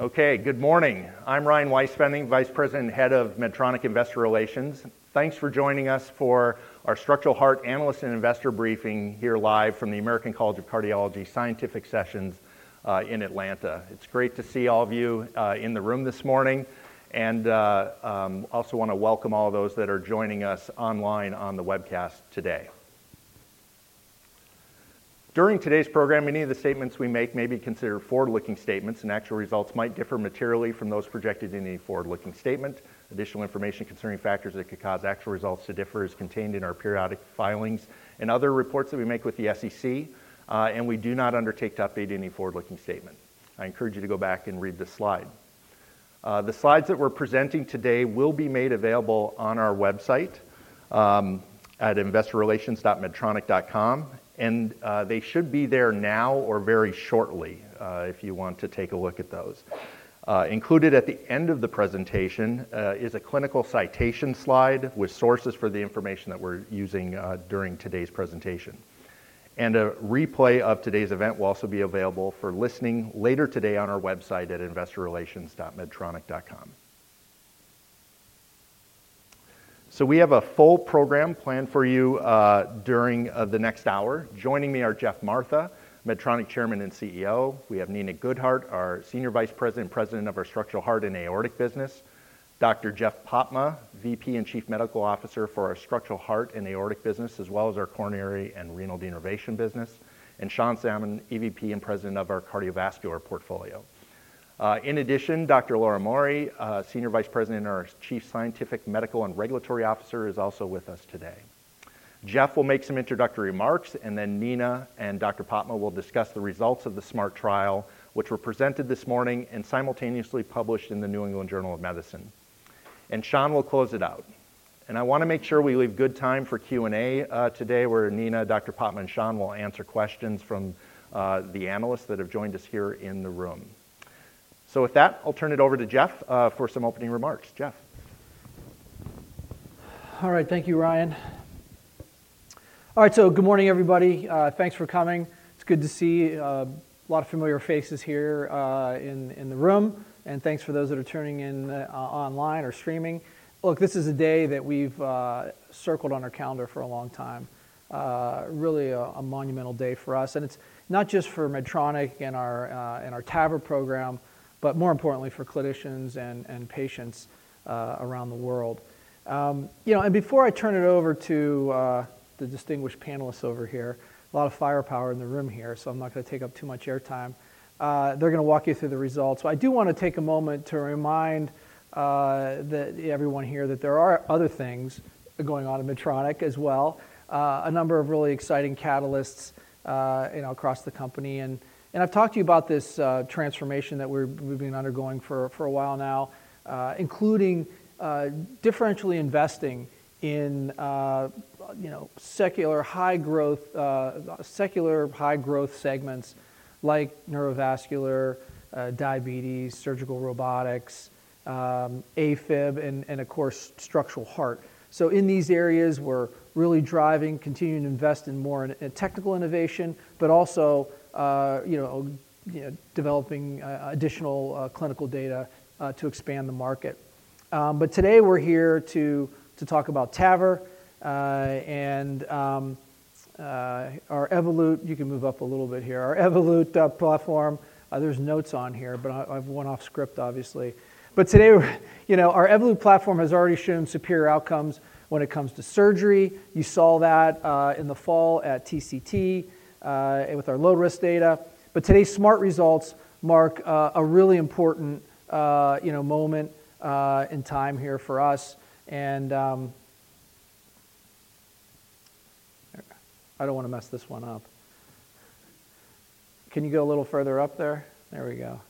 Okay, good morning. I'm Ryan Weispfenning, Vice President and Head of Medtronic Investor Relations. Thanks for joining us for our Structural Heart Analyst and Investor Briefing here live from the American College of Cardiology Scientific Sessions in Atlanta. It's great to see all of you in the room this morning, and I also want to welcome all those that are joining us online on the webcast today. During today's program, any of the statements we make may be considered forward-looking statements, and actual results might differ materially from those projected in the forward-looking statement. Additional information concerning factors that could cause actual results to differ is contained in our periodic filings and other reports that we make with the SEC, and we do not undertake to update any forward-looking statement. I encourage you to go back and read the slide. The slides that we're presenting today will be made available on our website at investorrelations.medtronic.com, and they should be there now or very shortly if you want to take a look at those. Included at the end of the presentation is a clinical citation slide with sources for the information that we're using during today's presentation. A replay of today's event will also be available for listening later today on our website at investorrelations.medtronic.com. We have a full program planned for you during the next hour. Joining me are Geoff Martha, Medtronic Chairman and CEO. We have Nina Goodheart, our Senior Vice President and President of our Structural Heart and Aortic Business. Dr. Jeffrey Popma, VP and Chief Medical Officer for our Structural Heart and Aortic Business, as well as our Coronary and Renal Denervation Business. And Sean Salmon, EVP and President of our Cardiovascular Portfolio. In addition, Dr. Laura Mauri, Senior Vice President and our Chief Scientific, Medical, and Regulatory Officer, is also with us today. Geoff will make some introductory remarks, and then Nina and Dr. Popma will discuss the results of the SMART trial, which were presented this morning and simultaneously published in the New England Journal of Medicine. Sean will close it out. I want to make sure we leave good time for Q&A today where Nina, Dr. Popma, and Sean will answer questions from the analysts that have joined us here in the room. So with that, I'll turn it over to Geoff for some opening remarks. Geoff. All right. Thank you, Ryan. All right. So good morning, everybody. Thanks for coming. It's good to see a lot of familiar faces here in the room. And thanks for those that are tuning in online or streaming. Look, this is a day that we've circled on our calendar for a long time. Really a monumental day for us. And it's not just for Medtronic and our TAVR program, but more importantly for clinicians and patients around the world. And before I turn it over to the distinguished panelists over here, a lot of firepower in the room here, so I'm not going to take up too much airtime. They're going to walk you through the results. So I do want to take a moment to remind everyone here that there are other things going on at Medtronic as well. A number of really exciting catalysts across the company. I've talked to you about this transformation that we've been undergoing for a while now, including differentially investing in secular high-growth segments like neurovascular, diabetes, surgical robotics, AFib, and of course, structural heart. So in these areas, we're really driving, continuing to invest in more technical innovation, but also developing additional clinical data to expand the market. But today we're here to talk about TAVR and our Evolut. You can move up a little bit here. Our Evolut platform. There's notes on here, but I've one-off script, obviously. But today our Evolut platform has already shown superior outcomes when it comes to surgery. You saw that in the fall at TCT with our low-risk data. But today's SMART results mark a really important moment in time here for us. And I don't want to mess this one up. Can you go a little further up there? There we go.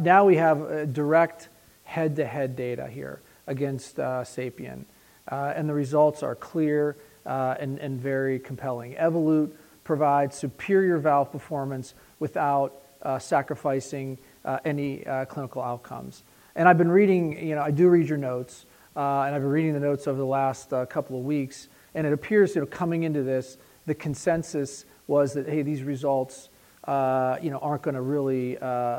Now we have direct head-to-head data here against Sapien. The results are clear and very compelling. Evolut provides superior valve performance without sacrificing any clinical outcomes. I've been reading. I do read your notes, and I've been reading the notes over the last couple of weeks. It appears coming into this, the consensus was that, hey, these results aren't going to really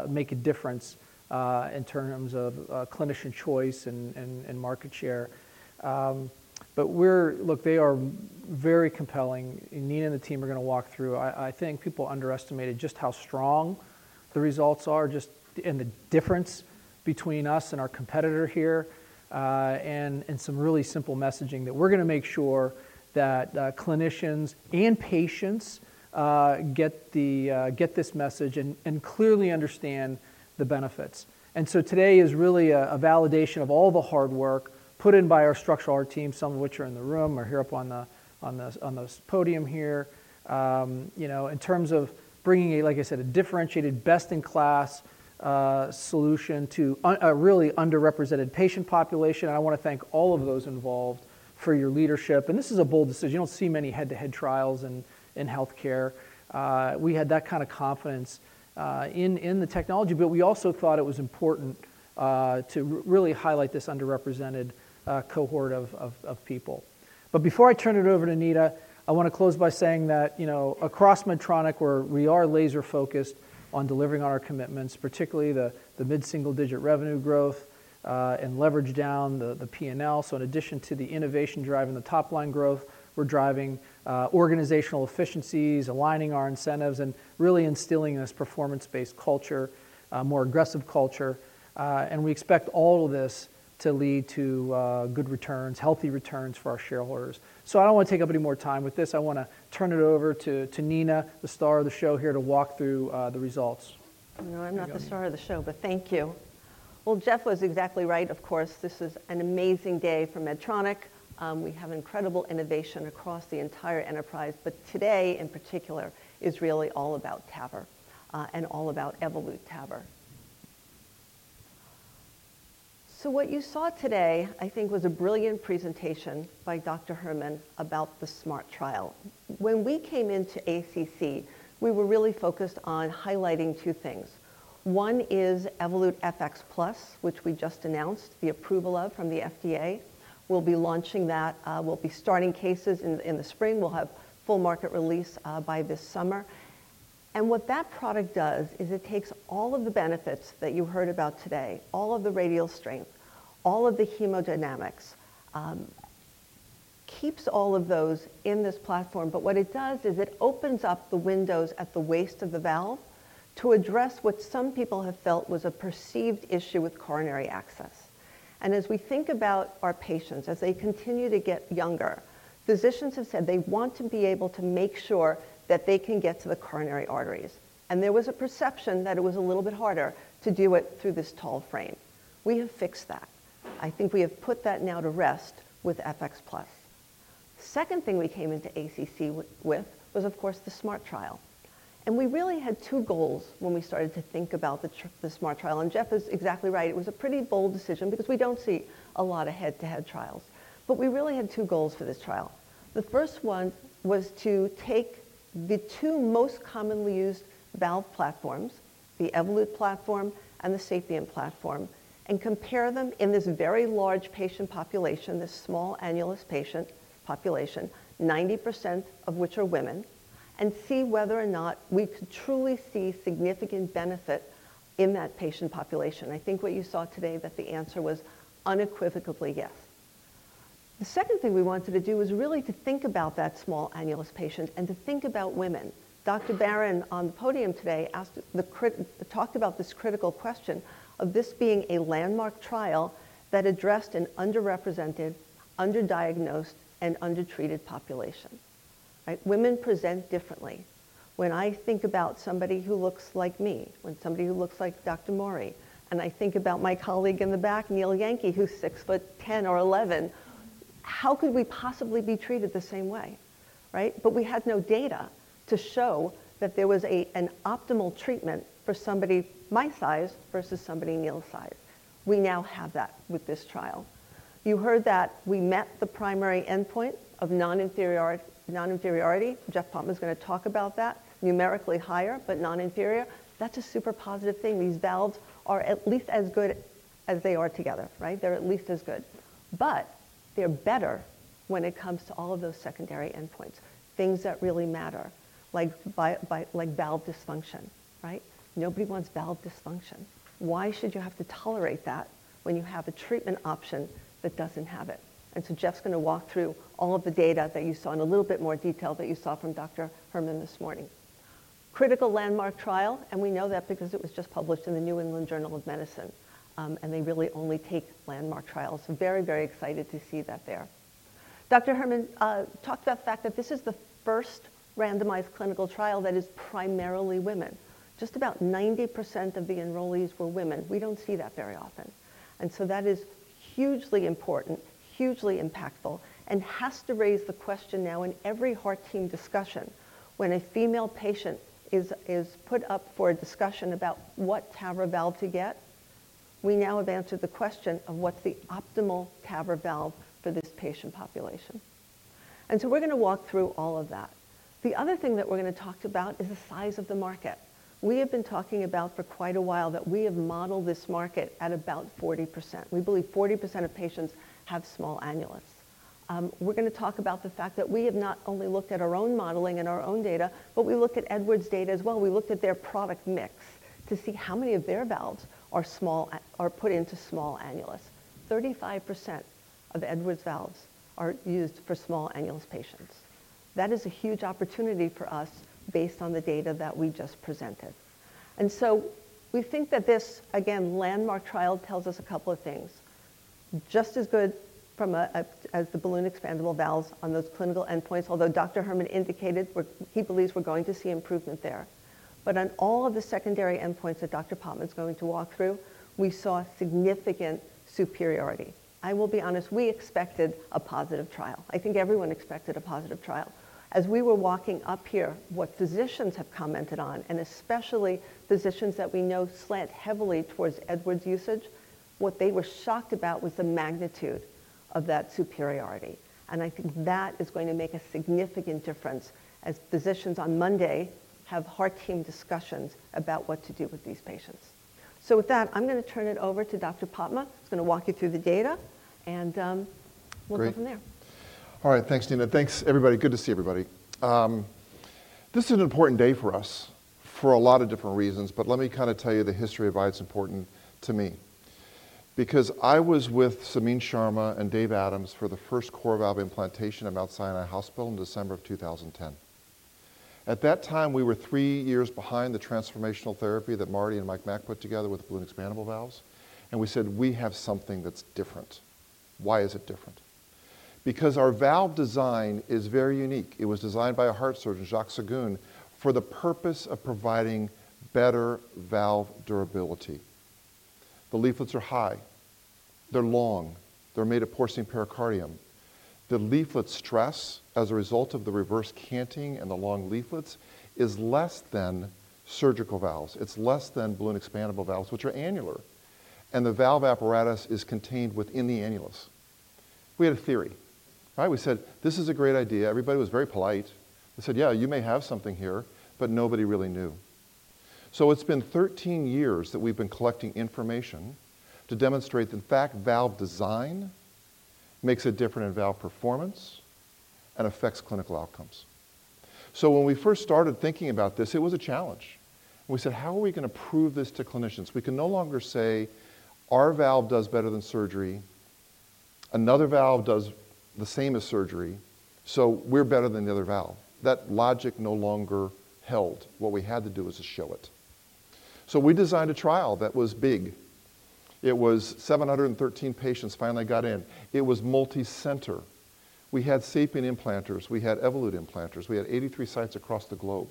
make a difference in terms of clinician choice and market share. Look, they are very compelling. Nina and the team are going to walk through. I think people underestimated just how strong the results are and the difference between us and our competitor here and some really simple messaging that we're going to make sure that clinicians and patients get this message and clearly understand the benefits. Today is really a validation of all the hard work put in by our structural heart team, some of which are in the room or here up on the podium here, in terms of bringing, like I said, a differentiated best-in-class solution to a really underrepresented patient population. I want to thank all of those involved for your leadership. This is a bold decision. You don't see many head-to-head trials in healthcare. We had that kind of confidence in the technology, but we also thought it was important to really highlight this underrepresented cohort of people. Before I turn it over to Nina, I want to close by saying that across Medtronic, we are laser-focused on delivering on our commitments, particularly the mid-single digit revenue growth and leverage down the P&L. So in addition to the innovation drive and the top-line growth, we're driving organizational efficiencies, aligning our incentives, and really instilling this performance-based culture, a more aggressive culture. And we expect all of this to lead to good returns, healthy returns for our shareholders. So I don't want to take up any more time with this. I want to turn it over to Nina, the star of the show here, to walk through the results. No, I'm not the star of the show, but thank you. Well, Geoff was exactly right. Of course, this is an amazing day for Medtronic. We have incredible innovation across the entire enterprise. But today in particular is really all about TAVR and all about Evolut TAVR. So what you saw today, I think, was a brilliant presentation by Dr. Herrmann about the SMART Trial. When we came into ACC, we were really focused on highlighting two things. One is Evolut FX+, which we just announced the approval of from the FDA. We'll be launching that. We'll be starting cases in the spring. We'll have full market release by this summer. And what that product does is it takes all of the benefits that you heard about today, all of the radial strength, all of the hemodynamics, keeps all of those in this platform. But what it does is it opens up the windows at the waist of the valve to address what some people have felt was a perceived issue with coronary access. And as we think about our patients, as they continue to get younger, physicians have said they want to be able to make sure that they can get to the coronary arteries. And there was a perception that it was a little bit harder to do it through this tall frame. We have fixed that. I think we have put that now to rest with FX+. The second thing we came into ACC with was, of course, the SMART trial. And we really had two goals when we started to think about the SMART trial. And Geoff is exactly right. It was a pretty bold decision because we don't see a lot of head-to-head trials. But we really had two goals for this trial. The first one was to take the two most commonly used valve platforms, the Evolut platform and the Sapien platform, and compare them in this very large patient population, this small annulus patient population, 90% of which are women, and see whether or not we could truly see significant benefit in that patient population. I think what you saw today, that the answer was unequivocally yes. The second thing we wanted to do was really to think about that small annulus patient and to think about women. Dr. Baron on the podium today talked about this critical question of this being a landmark trial that addressed an underrepresented, underdiagnosed, and undertreated population. Women present differently. When I think about somebody who looks like me, when somebody who looks like Dr. Mauri, and I think about my colleague in the back, Neil Yanke, who's 6'10" or 11, how could we possibly be treated the same way? But we had no data to show that there was an optimal treatment for somebody my size versus somebody Neil's size. We now have that with this trial. You heard that we met the primary endpoint of non-inferiority. Geoff Martha is going to talk about that, numerically higher, but non-inferior. That's a super positive thing. These valves are at least as good as they are together. They're at least as good. But they're better when it comes to all of those secondary endpoints, things that really matter, like valve dysfunction. Nobody wants valve dysfunction. Why should you have to tolerate that when you have a treatment option that doesn't have it? Geoff's going to walk through all of the data that you saw in a little bit more detail that you saw from Dr. Herman this morning. Critical landmark trial. We know that because it was just published in the New England Journal of Medicine, and they really only take landmark trials. Very, very excited to see that there. Dr. Herman talked about the fact that this is the first randomized clinical trial that is primarily women. Just about 90% of the enrollees were women. We don't see that very often. That is hugely important, hugely impactful, and has to raise the question now in every heart team discussion. When a female patient is put up for a discussion about what TAVR valve to get, we now have answered the question of what's the optimal TAVR valve for this patient population. So we're going to walk through all of that. The other thing that we're going to talk about is the size of the market. We have been talking about for quite a while that we have modeled this market at about 40%. We believe 40% of patients have small annulus. We're going to talk about the fact that we have not only looked at our own modeling and our own data, but we look at Edwards' data as well. We looked at their product mix to see how many of their valves are put into small annulus. 35% of Edwards' valves are used for small annulus patients. That is a huge opportunity for us based on the data that we just presented. So we think that this, again, landmark trial tells us a couple of things. Just as good as the balloon expandable valves on those clinical endpoints, although Dr. Herman indicated he believes we're going to see improvement there. But on all of the secondary endpoints that Dr. Popmam is going to walk through, we saw significant superiority. I will be honest. We expected a positive trial. I think everyone expected a positive trial. As we were walking up here, what physicians have commented on, and especially physicians that we know slant heavily towards Edwards usage, what they were shocked about was the magnitude of that superiority. And I think that is going to make a significant difference as physicians on Monday have heart team discussions about what to do with these patients. So with that, I'm going to turn it over to Dr. Popmam. He's going to walk you through the data, and we'll go from there. All right. Thanks, Nina. Thanks, everybody. Good to see everybody. This is an important day for us for a lot of different reasons. But let me kind of tell you the history of why it's important to me. Because I was with Samine Sharma and Dave Adams for the first CoreValve implantation at Mount Sinai Hospital in December of 2010. At that time, we were three years behind the transformational therapy that Marty and Mike Mack put together with balloon expandable valves. And we said, we have something that's different. Why is it different? Because our valve design is very unique. It was designed by a heart surgeon, Jacques Seguin, for the purpose of providing better valve durability. The leaflets are high. They're long. They're made of porcine pericardium. The leaflet stress as a result of the reverse canting and the long leaflets is less than surgical valves. It's less than balloon expandable valves, which are annular. The valve apparatus is contained within the annulus. We had a theory. We said, this is a great idea. Everybody was very polite. They said, yeah, you may have something here, but nobody really knew. It's been 13 years that we've been collecting information to demonstrate that, in fact, valve design makes a difference in valve performance and affects clinical outcomes. When we first started thinking about this, it was a challenge. We said, how are we going to prove this to clinicians? We can no longer say, our valve does better than surgery. Another valve does the same as surgery. We're better than the other valve. That logic no longer held. What we had to do was to show it. We designed a trial that was big. It was 713 patients finally got in. It was multi-center. We had Sapien implanters. We had Evolut implanters. We had 83 sites across the globe.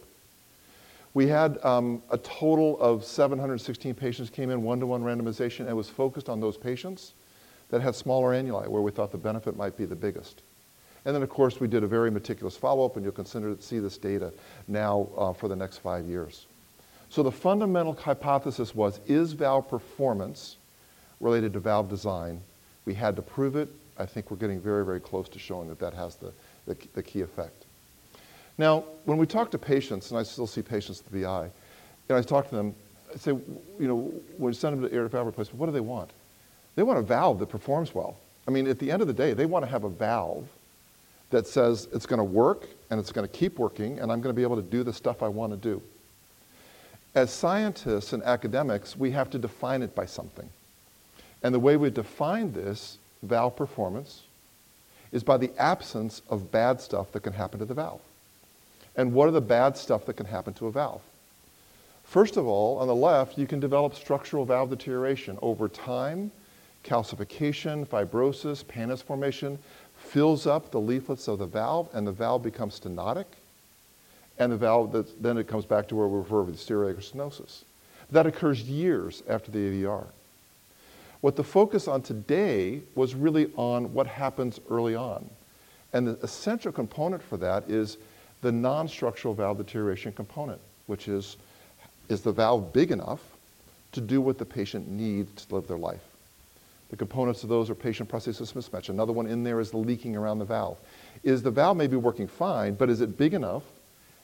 We had a total of 716 patients came in, one-to-one randomization. It was focused on those patients that had smaller annuli where we thought the benefit might be the biggest. Then, of course, we did a very meticulous follow-up. You'll see this data now for the next 5 years. The fundamental hypothesis was, is valve performance related to valve design? We had to prove it. I think we're getting very, very close to showing that that has the key effect. Now, when we talk to patients, and I still see patients at the VI, and I talk to them, I say, when you send them to aortic valve replacement, what do they want? They want a valve that performs well. I mean, at the end of the day, they want to have a valve that says it's going to work, and it's going to keep working, and I'm going to be able to do the stuff I want to do. As scientists and academics, we have to define it by something. The way we define this, valve performance, is by the absence of bad stuff that can happen to the valve. What are the bad stuff that can happen to a valve? First of all, on the left, you can develop structural valve deterioration over time, calcification, fibrosis, pannus formation fills up the leaflets of the valve, and the valve becomes stenotic. Then it comes back to where we refer to aortic stenosis. That occurs years after the AVR. What the focus on today was really on what happens early on. The essential component for that is the non-structural valve deterioration component, which is the valve big enough to do what the patient needs to live their life? The components of those are patient prosthesis mismatch. Another one in there is leaking around the valve. Is the valve maybe working fine, but is it big enough?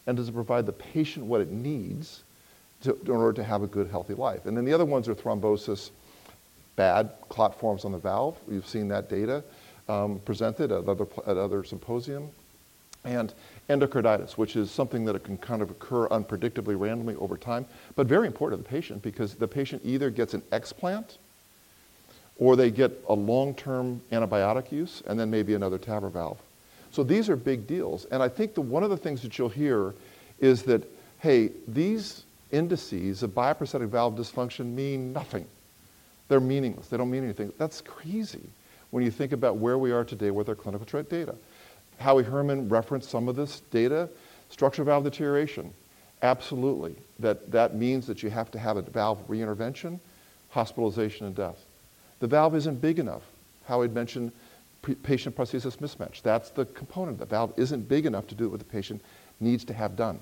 And does it provide the patient what it needs in order to have a good, healthy life? And then the other ones are thrombosis, bad clot forms on the valve. We've seen that data presented at other symposiums. And endocarditis, which is something that can kind of occur unpredictably, randomly over time, but very important to the patient because the patient either gets an explant or they get a long-term antibiotic use and then maybe another TAVR valve. So these are big deals. And I think one of the things that you'll hear is that, hey, these indices of bioprosthetic valve dysfunction mean nothing. They're meaningless. They don't mean anything. That's crazy when you think about where we are today with our clinical track data. Howie Herman referenced some of this data, structural valve deterioration. Absolutely. That means that you have to have a valve reintervention, hospitalization, and death. The valve isn't big enough, Howie mentioned, patient prosthesis mismatch. That's the component. The valve isn't big enough to do what the patient needs to have done.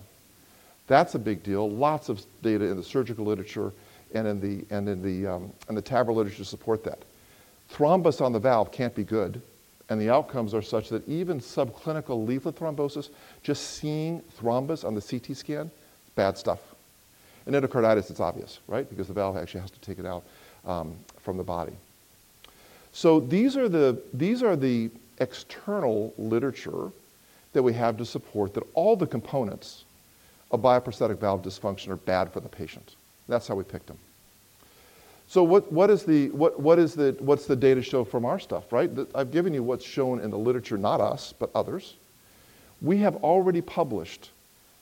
That's a big deal. Lots of data in the surgical literature and in the TAVR literature support that. Thrombus on the valve can't be good. And the outcomes are such that even subclinical leaflet thrombosis, just seeing thrombus on the CT scan, bad stuff. In endocarditis, it's obvious, right? Because the valve actually has to take it out from the body. So these are the external literature that we have to support that all the components of bioprosthetic valve dysfunction are bad for the patient. That's how we picked them. So what is the data show from our stuff? I've given you what's shown in the literature, not us, but others. We have already published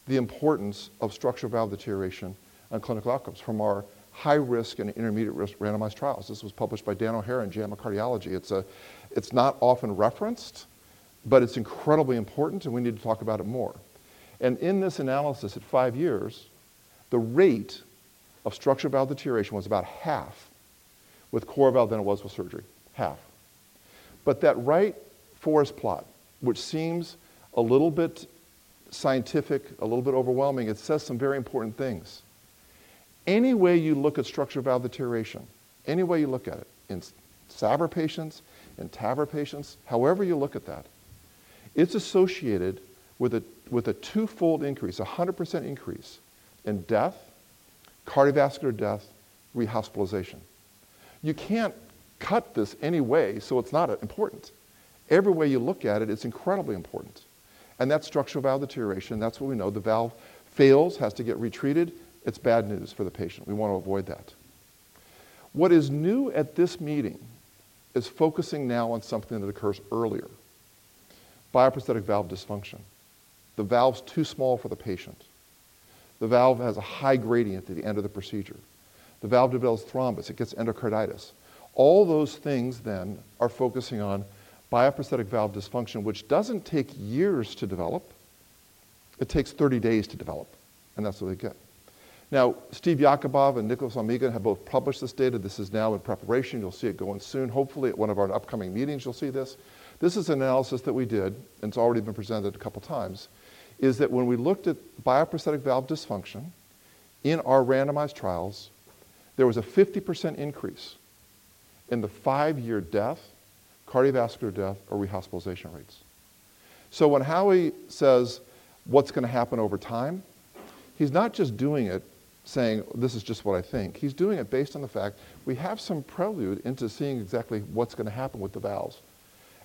the importance of structural valve deterioration and clinical outcomes from our high-risk and intermediate-risk randomized trials. This was published by Dr. O'Hair in JAMA Cardiology. It's not often referenced, but it's incredibly important. And we need to talk about it more. And in this analysis at five years, the rate of structural valve deterioration was about half with CoreValve than it was with surgery, half. But that right forest plot, which seems a little bit scientific, a little bit overwhelming, it says some very important things. Any way you look at structural valve deterioration, any way you look at it, in SAVR patients, in TAVR patients, however you look at that, it's associated with a twofold increase, 100% increase in death, cardiovascular death, rehospitalization. You can't cut this any way, so it's not important. Every way you look at it, it's incredibly important. And that's structural valve deterioration. That's what we know. The valve fails, has to get retreated. It's bad news for the patient. We want to avoid that. What is new at this meeting is focusing now on something that occurs earlier, bioprosthetic valve dysfunction. The valve's too small for the patient. The valve has a high gradient at the end of the procedure. The valve develops thrombus. It gets endocarditis. All those things then are focusing on bioprosthetic valve dysfunction, which doesn't take years to develop. It takes 30 days to develop. That's what they get. Now, Steve Yakubov and Nicholas Omega have both published this data. This is now in preparation. You'll see it going soon. Hopefully, at one of our upcoming meetings, you'll see this. This is an analysis that we did. It's already been presented a couple of times, is that when we looked at bioprosthetic valve dysfunction in our randomized trials, there was a 50% increase in the 5-year death, cardiovascular death, or rehospitalization rates. So when Howie says what's going to happen over time, he's not just doing it saying, this is just what I think. He's doing it based on the fact we have some prelude into seeing exactly what's going to happen with the valves.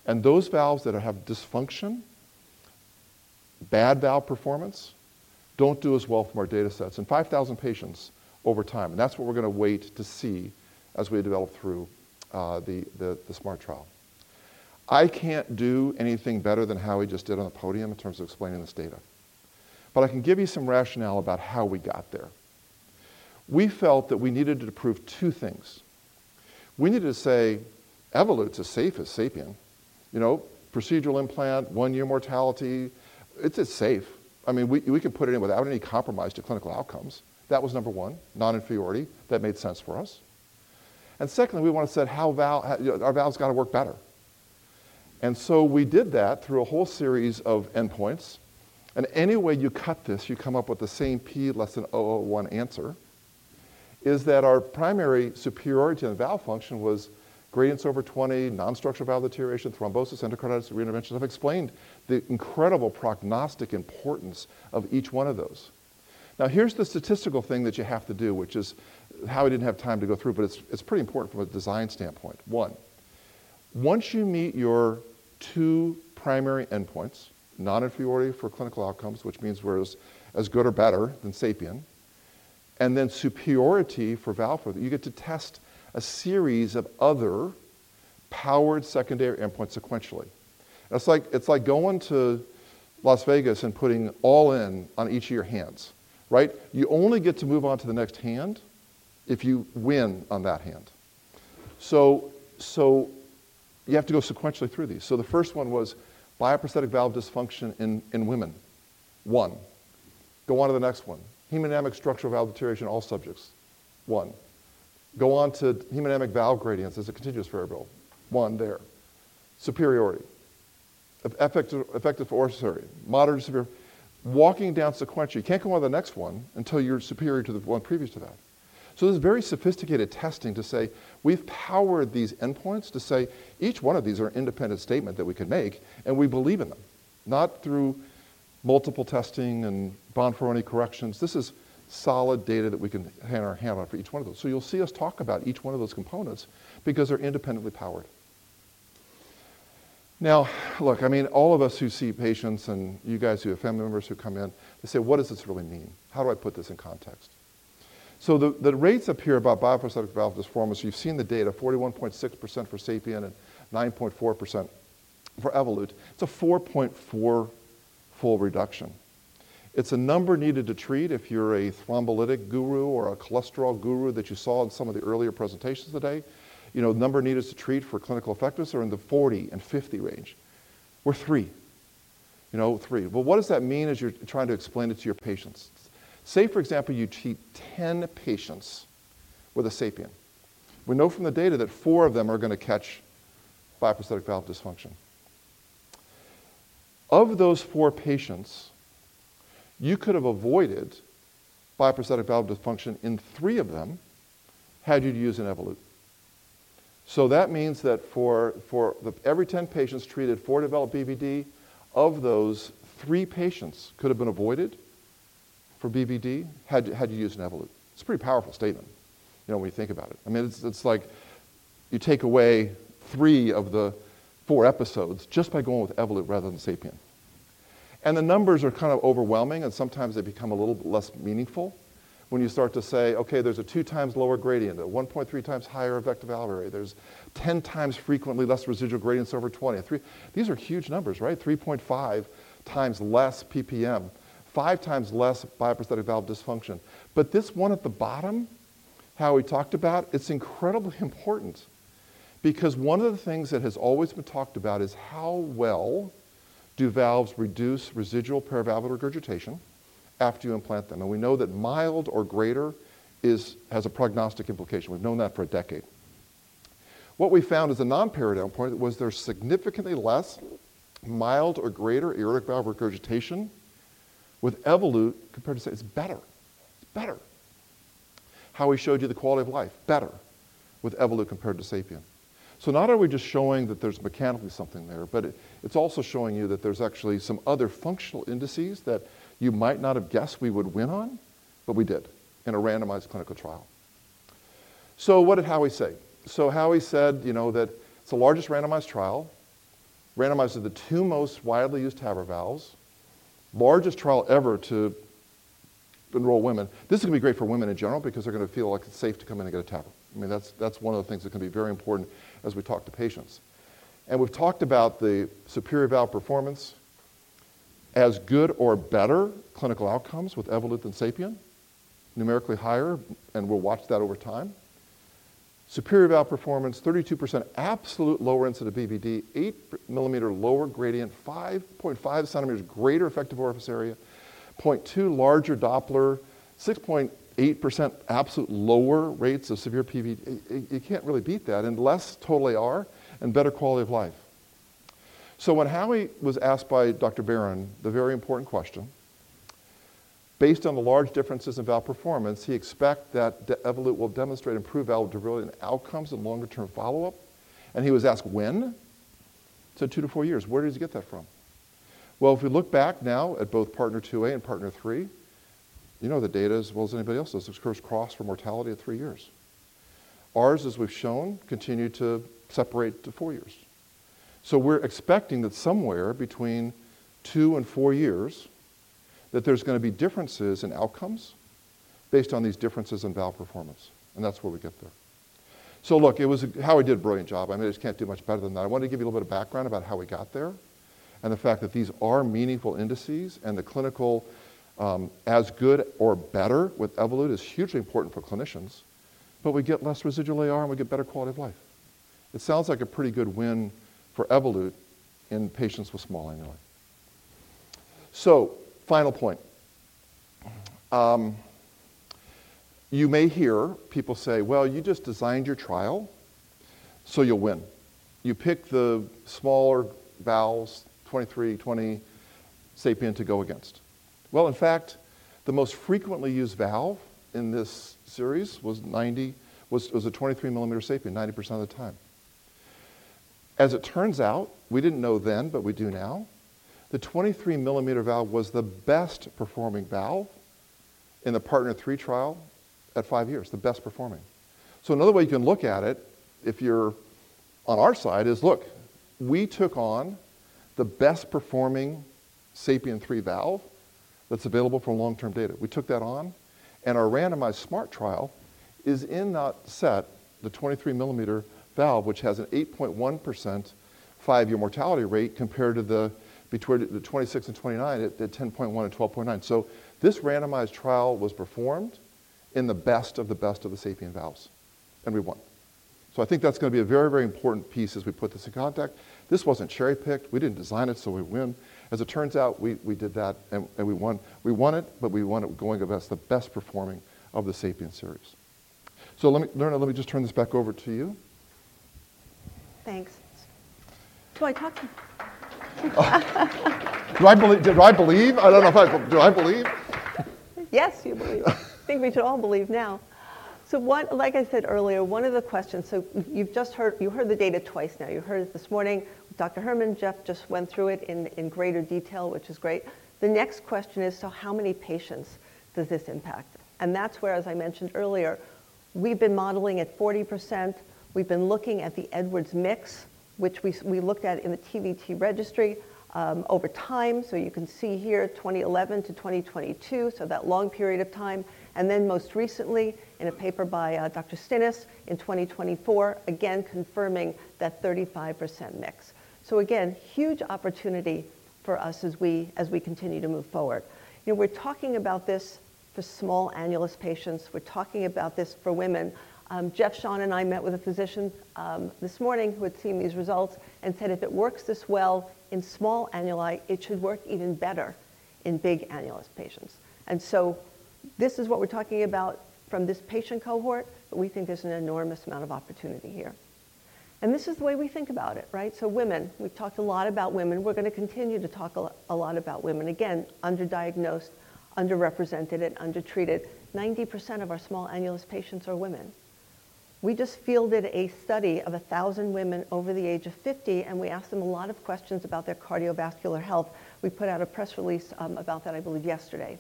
Those valves that have dysfunction, bad valve performance, don't do as well from our data sets in 5,000 patients over time. That's what we're going to wait to see as we develop through the SMART Trial. I can't do anything better than Howie just did on the podium in terms of explaining this data. But I can give you some rationale about how we got there. We felt that we needed to prove two things. We needed to say, Evolut's as safe as Sapien. Procedural implant, one-year mortality, it's safe. I mean, we can put it in without any compromise to clinical outcomes. That was number one, non-inferiority. That made sense for us. Secondly, we want to say our valve's got to work better. So we did that through a whole series of endpoints. And any way you cut this, you come up with the same p < 0.001 answer, that is, our primary superiority in valve function was gradients over 20, non-structural valve deterioration, thrombosis, endocarditis, reintervention. I've explained the incredible prognostic importance of each one of those. Now, here's the statistical thing that you have to do, which is Howie didn't have time to go through. But it's pretty important from a design standpoint. One, once you meet your 2 primary endpoints, non-inferiority for clinical outcomes, which means we're as good or better than Sapien, and then superiority for valve performance, you get to test a series of other powered secondary endpoints sequentially. It's like going to Las Vegas and putting all in on each of your hands, right? You only get to move on to the next hand if you win on that hand. So you have to go sequentially through these. So the first one was bioprosthetic valve dysfunction in women, 1. Go on to the next one, hemodynamic structural valve deterioration, all subjects, 1. Go on to hemodynamic valve gradients as a continuous variable, 1, there. Superiority, effective or arbitrary, moderate to severe, walking down sequentially. You can't go on to the next one until you're superior to the one previous to that. So this is very sophisticated testing to say, we've powered these endpoints to say each one of these are an independent statement that we can make, and we believe in them, not through multiple testing and Bonferroni corrections. This is solid data that we can hang our hand on for each one of those. So you'll see us talk about each one of those components because they're independently powered. Now, look, I mean, all of us who see patients and you guys who have family members who come in, they say, what does this really mean? How do I put this in context? So the rates up here about bioprosthetic valve dysfunction, you've seen the data, 41.6% for Sapien and 9.4% for Evolut. It's a 4.4-fold reduction. It's a number needed to treat if you're a thrombolytic guru or a cholesterol guru that you saw in some of the earlier presentations today. The number needed to treat for clinical effectiveness is in the 40 and 50 range. We're three. Three. Well, what does that mean as you're trying to explain it to your patients? Say, for example, you treat 10 patients with a Sapien. We know from the data that four of them are going to catch bioprosthetic valve dysfunction. Of those 4 patients, you could have avoided bioprosthetic valve dysfunction in 3 of them had you used an Evolut. So that means that for every 10 patients treated for developed BVD, of those, 3 patients could have been avoided for BVD had you used an Evolut. It's a pretty powerful statement when you think about it. I mean, it's like you take away 3 of the 4 episodes just by going with Evolut rather than Sapien. And the numbers are kind of overwhelming. And sometimes they become a little less meaningful when you start to say, OK, there's a 2x lower gradient, a 1.3x higher effective valve rate. There's 10x frequently less residual gradients over 20. These are huge numbers, right? 3.5x less PPM, 5 times less bioprosthetic valve dysfunction. But this one at the bottom, Howie talked about, it's incredibly important because one of the things that has always been talked about is how well do valves reduce residual paravalvular regurgitation after you implant them? And we know that mild or greater has a prognostic implication. We've known that for a decade. What we found as a nonparadigm point was there's significantly less mild or greater aortic valve regurgitation with Evolut compared to, say, it's better. It's better. Howie showed you the quality of life, better with Evolut compared to Sapien. So not only are we just showing that there's mechanically something there, but it's also showing you that there's actually some other functional indices that you might not have guessed we would win on, but we did in a randomized clinical trial. So what did Howie say? So Howie said that it's the largest randomized trial, randomized to the two most widely used TAVR valves, largest trial ever to enroll women. This is going to be great for women in general because they're going to feel like it's safe to come in and get a TAVR. I mean, that's one of the things that can be very important as we talk to patients. And we've talked about the superior valve performance, as good or better clinical outcomes with Evolut than Sapien, numerically higher. And we'll watch that over time. Superior valve performance, 32% absolute lower incidence of BVD, 8 mm lower gradient, 5.5 cm greater effective orifice area, 0.2 larger Doppler, 6.8% absolute lower rates of severe PVL. You can't really beat that and less total AR and better quality of life. So when Howie was asked by Dr. Barron, the very important question, based on the large differences in valve performance, he expects that Evolut will demonstrate improved valve durability and outcomes in longer-term follow-up. He was asked when. He said, 2-4 years. Where did he get that from? Well, if we look back now at both PARTNER 2A and PARTNER 3, you know the data as well as anybody else, those curves cross for mortality at 3 years. Ours, as we've shown, continue to separate to 4 years. We're expecting that somewhere between 2 and 4 years, that there's going to be differences in outcomes based on these differences in valve performance. And that's where we get there. So look, Howie did a brilliant job. I mean, he can't do much better than that. I wanted to give you a little bit of background about how we got there and the fact that these are meaningful indices. The clinical as good or better with Evolut is hugely important for clinicians. But we get less residual AR. We get better quality of life. It sounds like a pretty good win for Evolut in patients with small annuli. So final point. You may hear people say, well, you just designed your trial, so you'll win. You picked the smaller valves, 23, 20, Sapien to go against. Well, in fact, the most frequently used valve in this series was 23 mm Sapien 90% of the time. As it turns out, we didn't know then, but we do now, the 23 mm valve was the best performing valve in the PARTNER 3 trial at five years, the best performing. So another way you can look at it if you're on our side is, look, we took on the best performing Sapien 3 valve that's available from long-term data. We took that on. And our randomized SMART Trial is in that set, the 23-millimeter valve, which has an 8.1% five-year mortality rate compared to the 26 and 29 at 10.1% and 12.9%. So this randomized trial was performed in the best of the best of the Sapien valves. And we won. So I think that's going to be a very, very important piece as we put this in context. This wasn't cherry-picked. We didn't design it so we'd win. As it turns out, we did that. And we won. We won it. But we won it going against the best performing of the Sapien series. So let me just turn this back over to you. Thanks. Do I talk to you? Do I believe? I don't know if I do. Yes, you believe. I think we should all believe now. So like I said earlier, one of the questions, so you've just heard the data twice now. You heard it this morning. Dr. Herman and Jeff just went through it in greater detail, which is great. The next question is, so how many patients does this impact? And that's where, as I mentioned earlier, we've been modeling at 40%. We've been looking at the Edwards mix, which we looked at in the TVT Registry over time. So you can see here, 2011 to 2022, so that long period of time. And then most recently, in a paper by Dr. Stinis in 2024, again confirming that 35% mix. So again, huge opportunity for us as we continue to move forward. We're talking about this for small annulus patients. We're talking about this for women. Jeff, Sean, and I met with a physician this morning who had seen these results and said, if it works this well in small annuli, it should work even better in big annulus patients. So this is what we're talking about from this patient cohort. We think there's an enormous amount of opportunity here. This is the way we think about it, right? Women, we've talked a lot about women. We're going to continue to talk a lot about women. Again, underdiagnosed, underrepresented, and undertreated, 90% of our small annulus patients are women. We just fielded a study of 1,000 women over the age of 50. We asked them a lot of questions about their cardiovascular health. We put out a press release about that, I believe, yesterday.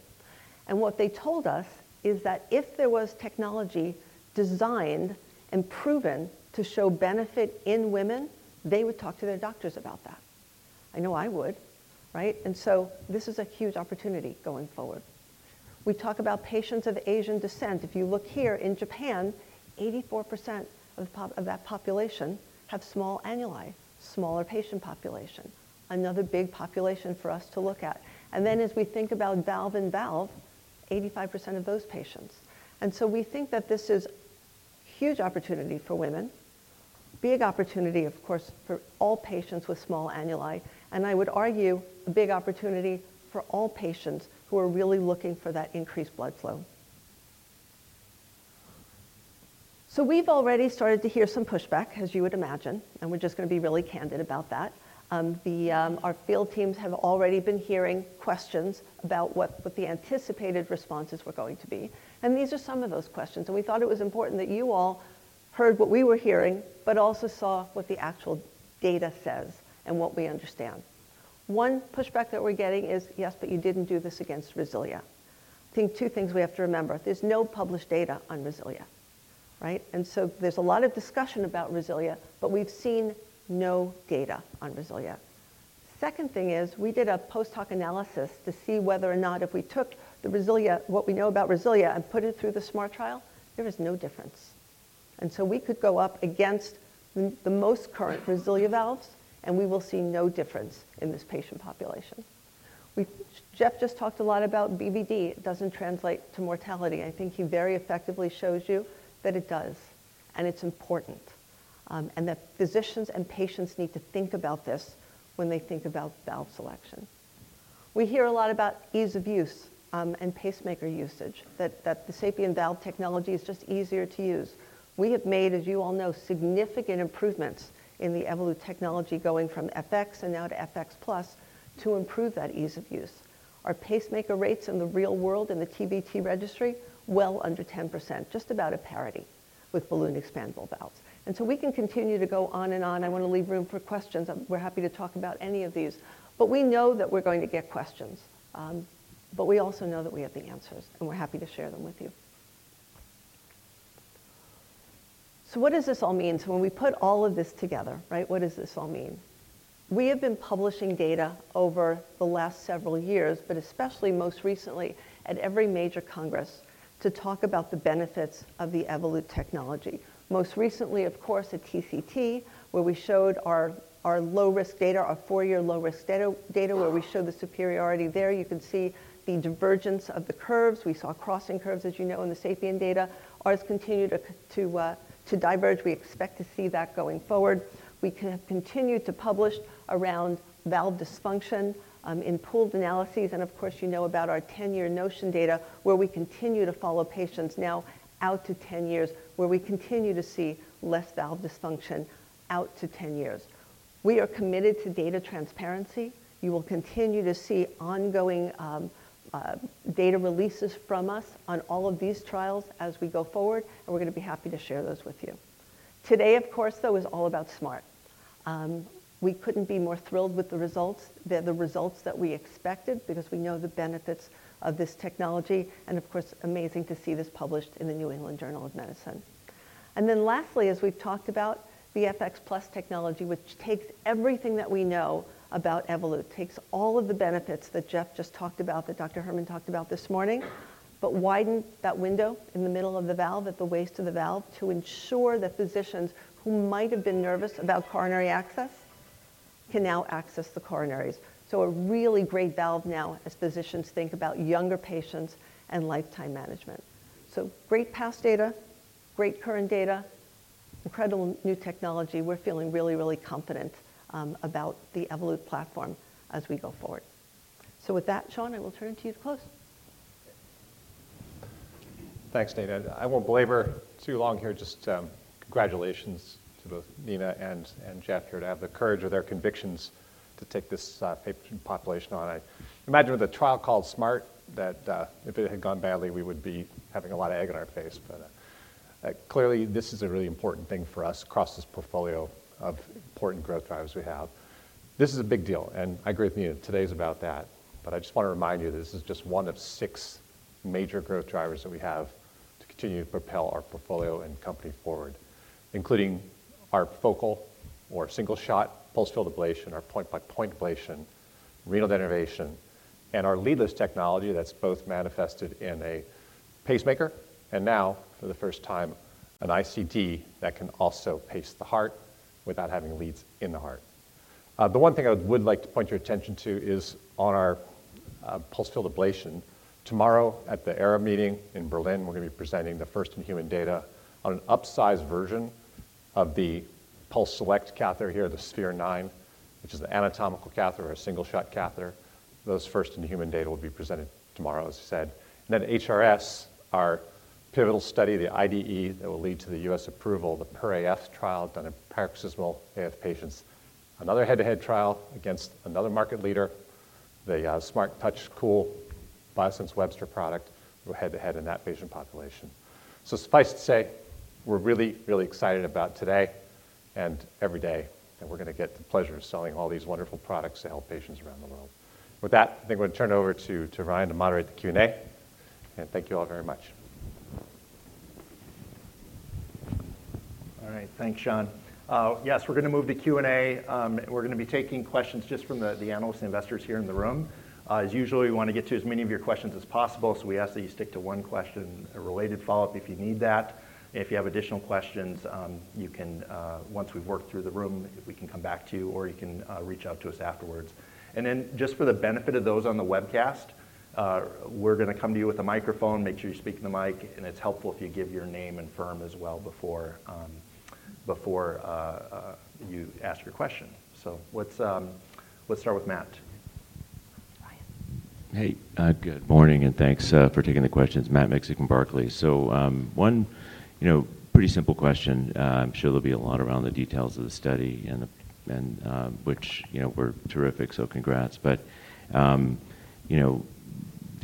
And what they told us is that if there was technology designed and proven to show benefit in women, they would talk to their doctors about that. I know I would, right? And so this is a huge opportunity going forward. We talk about patients of Asian descent. If you look here in Japan, 84% of that population have small annuli, smaller patient population, another big population for us to look at. And then as we think about valve-in-valve, 85% of those patients. And so we think that this is a huge opportunity for women, big opportunity, of course, for all patients with small annuli, and I would argue a big opportunity for all patients who are really looking for that increased blood flow. So we've already started to hear some pushback, as you would imagine. And we're just going to be really candid about that. Our field teams have already been hearing questions about what the anticipated responses were going to be. These are some of those questions. We thought it was important that you all heard what we were hearing, but also saw what the actual data says and what we understand. One pushback that we're getting is, yes, but you didn't do this against Resilia. I think two things we have to remember. There's no published data on Resilia, right? There's a lot of discussion about Resilia. But we've seen no data on Resilia. Second thing is, we did a post hoc analysis to see whether or not if we took what we know about Resilia and put it through the SMART Trial, there is no difference. We could go up against the most current Resilia valves. We will see no difference in this patient population. Jeff just talked a lot about BVD. It doesn't translate to mortality. I think he very effectively shows you that it does. It's important that physicians and patients need to think about this when they think about valve selection. We hear a lot about ease of use and pacemaker usage, that the Sapien valve technology is just easier to use. We have made, as you all know, significant improvements in the Evolut technology going from FX and now to FX+ to improve that ease of use. Our pacemaker rates in the real world in the TVT registry, well under 10%, just about a parity with balloon expandable valves. We can continue to go on and on. I want to leave room for questions. We're happy to talk about any of these. But we know that we're going to get questions. But we also know that we have the answers. We're happy to share them with you. What does this all mean? When we put all of this together, what does this all mean? We have been publishing data over the last several years, but especially most recently at every major congress to talk about the benefits of the Evolut technology, most recently, of course, at TCT, where we showed our low-risk data, our four-year low-risk data, where we showed the superiority there. You can see the divergence of the curves. We saw crossing curves, as you know, in the Sapien data. Ours continued to diverge. We expect to see that going forward. We have continued to publish around valve dysfunction in pooled analyses. Of course, you know about our 10-year NOTION data, where we continue to follow patients now out to 10 years, where we continue to see less valve dysfunction out to 10 years. We are committed to data transparency. You will continue to see ongoing data releases from us on all of these trials as we go forward. We're going to be happy to share those with you. Today, of course, though, is all about SMART. We couldn't be more thrilled with the results than the results that we expected because we know the benefits of this technology. Of course, amazing to see this published in the New England Journal of Medicine. Then lastly, as we've talked about the FX+ technology, which takes everything that we know about Evolut, takes all of the benefits that Jeff just talked about, that Dr. Herman talked about this morning, but widened that window in the middle of the valve, at the waist of the valve, to ensure that physicians who might have been nervous about coronary access can now access the coronaries. So a really great valve now as physicians think about younger patients and lifetime management. So great past data, great current data, incredible new technology. We're feeling really, really confident about the Evolut platform as we go forward. So with that, Sean, I will turn it to you to close. Thanks, Nina. I won't belabor too long here. Just congratulations to both Nina and Jeff here to have the courage or their convictions to take this population on. I imagine with a trial called SMART, that if it had gone badly, we would be having a lot of egg in our face. But clearly, this is a really important thing for us across this portfolio of important growth drivers we have. This is a big deal. And I agree with Nina. Today is about that. But I just want to remind you that this is just one of six major growth drivers that we have to continue to propel our portfolio and company forward, including our focal or single-shot pulsed field ablation, our point-by-point ablation, renal denervation, and our leadless technology that's both manifested in a pacemaker and now, for the first time, an ICD that can also pace the heart without having leads in the heart. The one thing I would like to point your attention to is on our pulsed field ablation, tomorrow at the EHRA meeting in Berlin, we're going to be presenting the first-in-human data on an upsized version of the PulseSelect catheter here, the Sphere 9, which is the anatomical catheter or single-shot catheter. Those first-in-human data will be presented tomorrow, as I said. And then HRS, our pivotal study, the IDE that will lead to the U.S. approval, the PER-AF trial done in paroxysmal AF patients, another head-to-head trial against another market leader, the SMART Touch Cool Biosense Webster product, we're head-to-head in that patient population. So suffice to say, we're really, really excited about today and every day that we're going to get the pleasure of selling all these wonderful products to help patients around the world. With that, I think I'm going to turn it over to Ryan to moderate the Q&A. And thank you all very much. All right. Thanks, Sean. Yes, we're going to move to Q&A. We're going to be taking questions just from the analysts and investors here in the room. As usual, we want to get to as many of your questions as possible. So we ask that you stick to one question, a related follow-up if you need that. If you have additional questions, once we've worked through the room, we can come back to you. Or you can reach out to us afterwards. And then just for the benefit of those on the webcast, we're going to come to you with a microphone, make sure you're speaking to the mic. And it's helpful if you give your name and firm as well before you ask your question. So let's start with Matt. Hey. Good morning. Thanks for taking the questions. Matt Miksic, Barclays. One pretty simple question. I'm sure there'll be a lot around the details of the study, which we're terrific. Congrats. But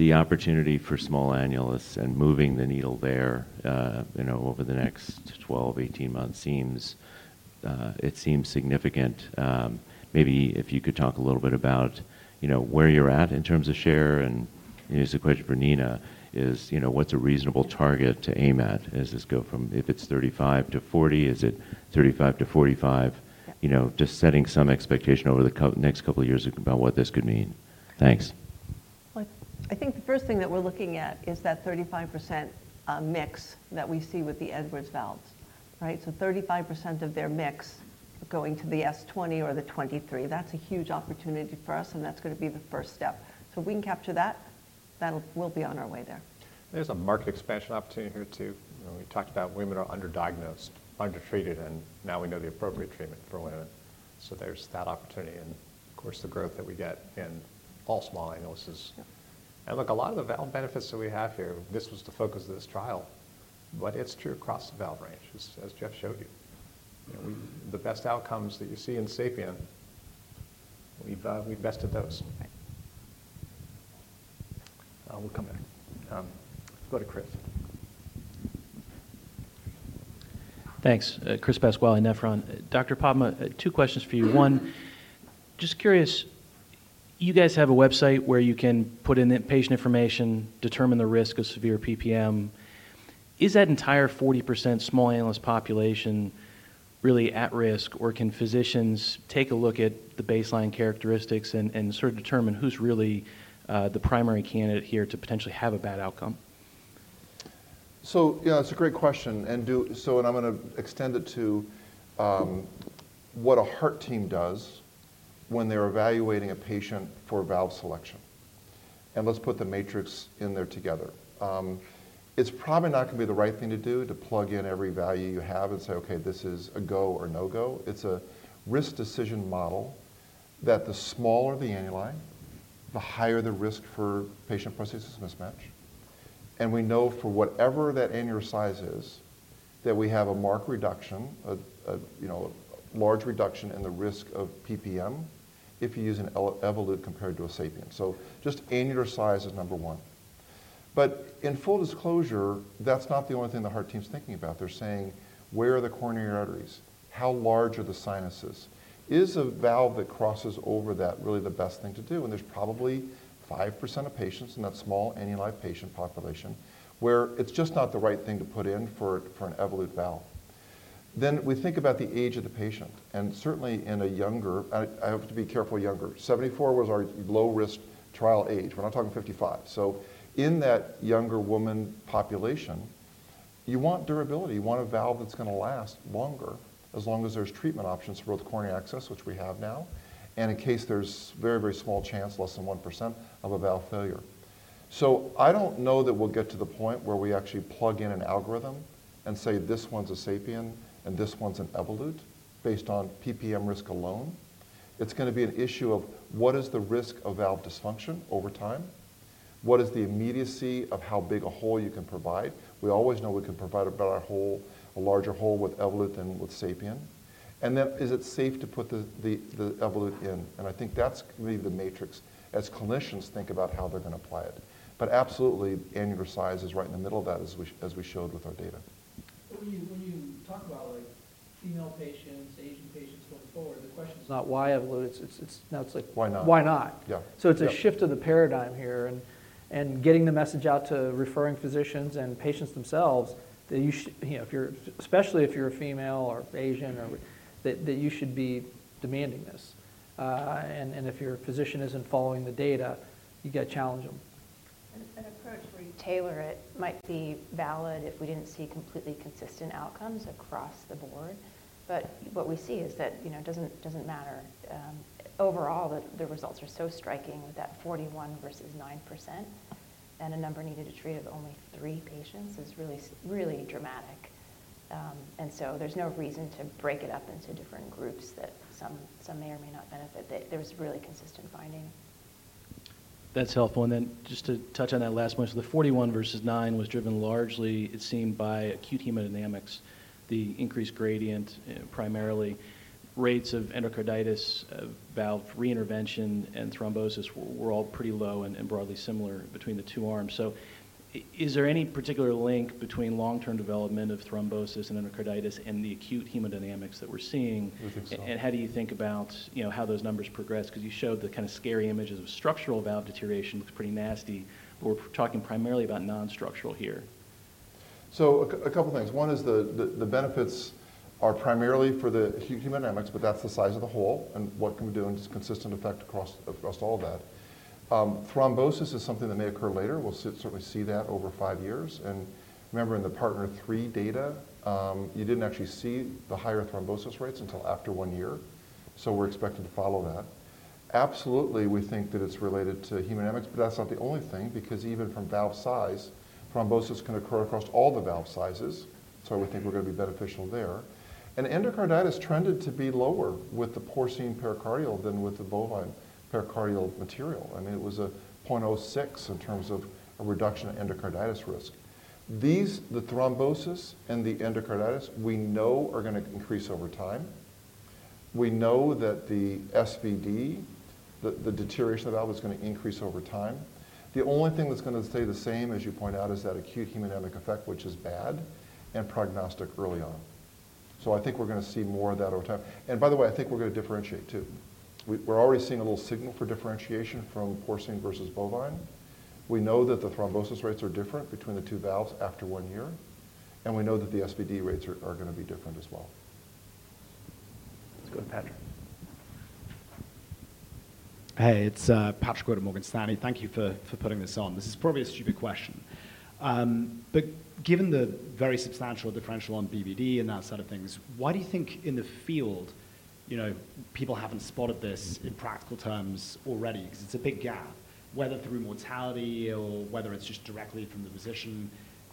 the opportunity for small annulus and moving the needle there over the next 12-18 months seems significant. Maybe if you could talk a little bit about where you're at in terms of share. Here's a question for Nina. What's a reasonable target to aim at as this goes from if it's 35-40? Is it 35-45? Just setting some expectation over the next couple of years about what this could mean. Thanks. I think the first thing that we're looking at is that 35% mix that we see with the Edwards valves, right? 35% of their mix going to the S20 or the 23. That's a huge opportunity for us. That's going to be the first step. If we can capture that, we'll be on our way there. There's a market expansion opportunity here too. We talked about women are underdiagnosed, undertreated. And now we know the appropriate treatment for women. So there's that opportunity. And of course, the growth that we get in all small annuluses. And look, a lot of the valve benefits that we have here, this was the focus of this trial. But it's true across the valve range, as Jeff showed you. The best outcomes that you see in Sapien, we've vested those. We'll come back. Go to Chris. Thanks. Chris Pasquale in Nephron. Dr. Popma, two questions for you. One, just curious, you guys have a website where you can put in patient information, determine the risk of severe PPM. Is that entire 40% small annulus population really at risk? Or can physicians take a look at the baseline characteristics and sort of determine who's really the primary candidate here to potentially have a bad outcome? So yeah, it's a great question. I'm going to extend it to what a heart team does when they're evaluating a patient for valve selection. Let's put the matrix in there together. It's probably not going to be the right thing to do to plug in every value you have and say, OK, this is a go or no-go. It's a risk decision model that the smaller the annuli, the higher the risk for patient prosthesis mismatch. We know for whatever that annular size is, that we have a marked reduction, a large reduction in the risk of PPM if you use an Evolut compared to a Sapien. Just annular size is number one. But in full disclosure, that's not the only thing the heart team's thinking about. They're saying, where are the coronary arteries? How large are the sinuses? Is a valve that crosses over that really the best thing to do? And there's probably 5% of patients in that small annuli patient population where it's just not the right thing to put in for an Evolut valve. Then we think about the age of the patient. And certainly in a younger, I hope to be careful, younger. 74 was our low-risk trial age. We're not talking 55. So in that younger woman population, you want durability. You want a valve that's going to last longer as long as there's treatment options for both coronary access, which we have now, and in case there's a very, very small chance, less than 1%, of a valve failure. So I don't know that we'll get to the point where we actually plug in an algorithm and say, this one's a Sapien. And this one's an Evolut based on PPM risk alone. It's going to be an issue of what is the risk of valve dysfunction over time? What is the immediacy of how big a hole you can provide? We always know we can provide a larger hole with Evolut than with Sapien. And then is it safe to put the Evolut in? And I think that's going to be the matrix as clinicians think about how they're going to apply it. But absolutely, the annular size is right in the middle of that, as we showed with our data. When you talk about female patients, Asian patients going forward, the question is not why Evolut. Now it's like. Why not It's a shift of the paradigm here. Getting the message out to referring physicians and patients themselves, especially if you're a female or Asian, that you should be demanding this. If your physician isn't following the data, you've got to challenge them. An approach where you tailor it might be valid if we didn't see completely consistent outcomes across the board. But what we see is that it doesn't matter. Overall, the results are so striking with that 41% versus 9%. And a number needed to treat of only 3 patients is really dramatic. And so there's no reason to break it up into different groups that some may or may not benefit. There was really consistent finding. That's helpful. And then just to touch on that last point. So the 41% versus 9% was driven largely, it seemed, by acute hemodynamics, the increased gradient primarily. Rates of endocarditis, valve reintervention, and thrombosis were all pretty low and broadly similar between the two arms. So is there any particular link between long-term development of thrombosis and endocarditis and the acute hemodynamics that we're seeing? I think so. How do you think about how those numbers progress? Because you showed the kind of scary images of structural valve deterioration. Looks pretty nasty. But we're talking primarily about non-structural here. So a couple of things. One is the benefits are primarily for the acute hemodynamics. But that's the size of the hole. And what can we do and just consistent effect across all of that? Thrombosis is something that may occur later. We'll certainly see that over five years. And remember, in the PARTNER 3 data, you didn't actually see the higher thrombosis rates until after one year. So we're expecting to follow that. Absolutely, we think that it's related to hemodynamics. But that's not the only thing because even from valve size, thrombosis can occur across all the valve sizes. So we think we're going to be beneficial there. And endocarditis trended to be lower with the porcine pericardial than with the bovine pericardial material. I mean, it was a 0.06 in terms of a reduction in endocarditis risk. The thrombosis and the endocarditis, we know, are going to increase over time. We know that the SVD, the deterioration of the valve, is going to increase over time. The only thing that's going to stay the same, as you point out, is that acute hemodynamic effect, which is bad, and prognostic early on. So I think we're going to see more of that over time. And by the way, I think we're going to differentiate too. We're already seeing a little signal for differentiation from porcine versus bovine. We know that the thrombosis rates are different between the two valves after one year. And we know that the SVD rates are going to be different as well. Let's go to Patrick. Hey. It's Patrick Wood at Morgan Stanley. Thank you for putting this on. This is probably a stupid question. But given the very substantial differential on BVD and that set of things, why do you think in the field people haven't spotted this in practical terms already? Because it's a big gap, whether through mortality or whether it's just directly from the physician.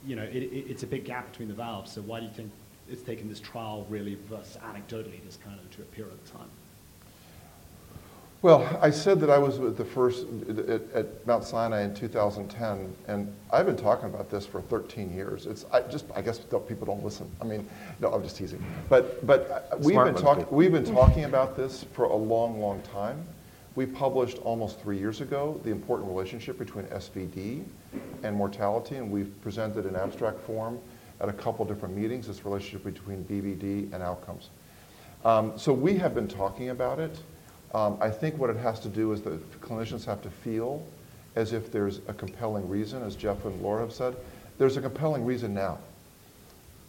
It's a big gap between the valves. So why do you think it's taken this trial really versus anecdotally this kind of to appear at the time? Well, I said that I was with the first at Mount Sinai in 2010. And I've been talking about this for 13 years. I guess people don't listen. I mean, no, I'm just teasing. But we've been talking about this for a long, long time. We published almost three years ago the important relationship between SVD and mortality. And we've presented an abstract form at a couple of different meetings, this relationship between BVD and outcomes. So we have been talking about it. I think what it has to do is that clinicians have to feel as if there's a compelling reason, as Geoff and Laura have said. There's a compelling reason now.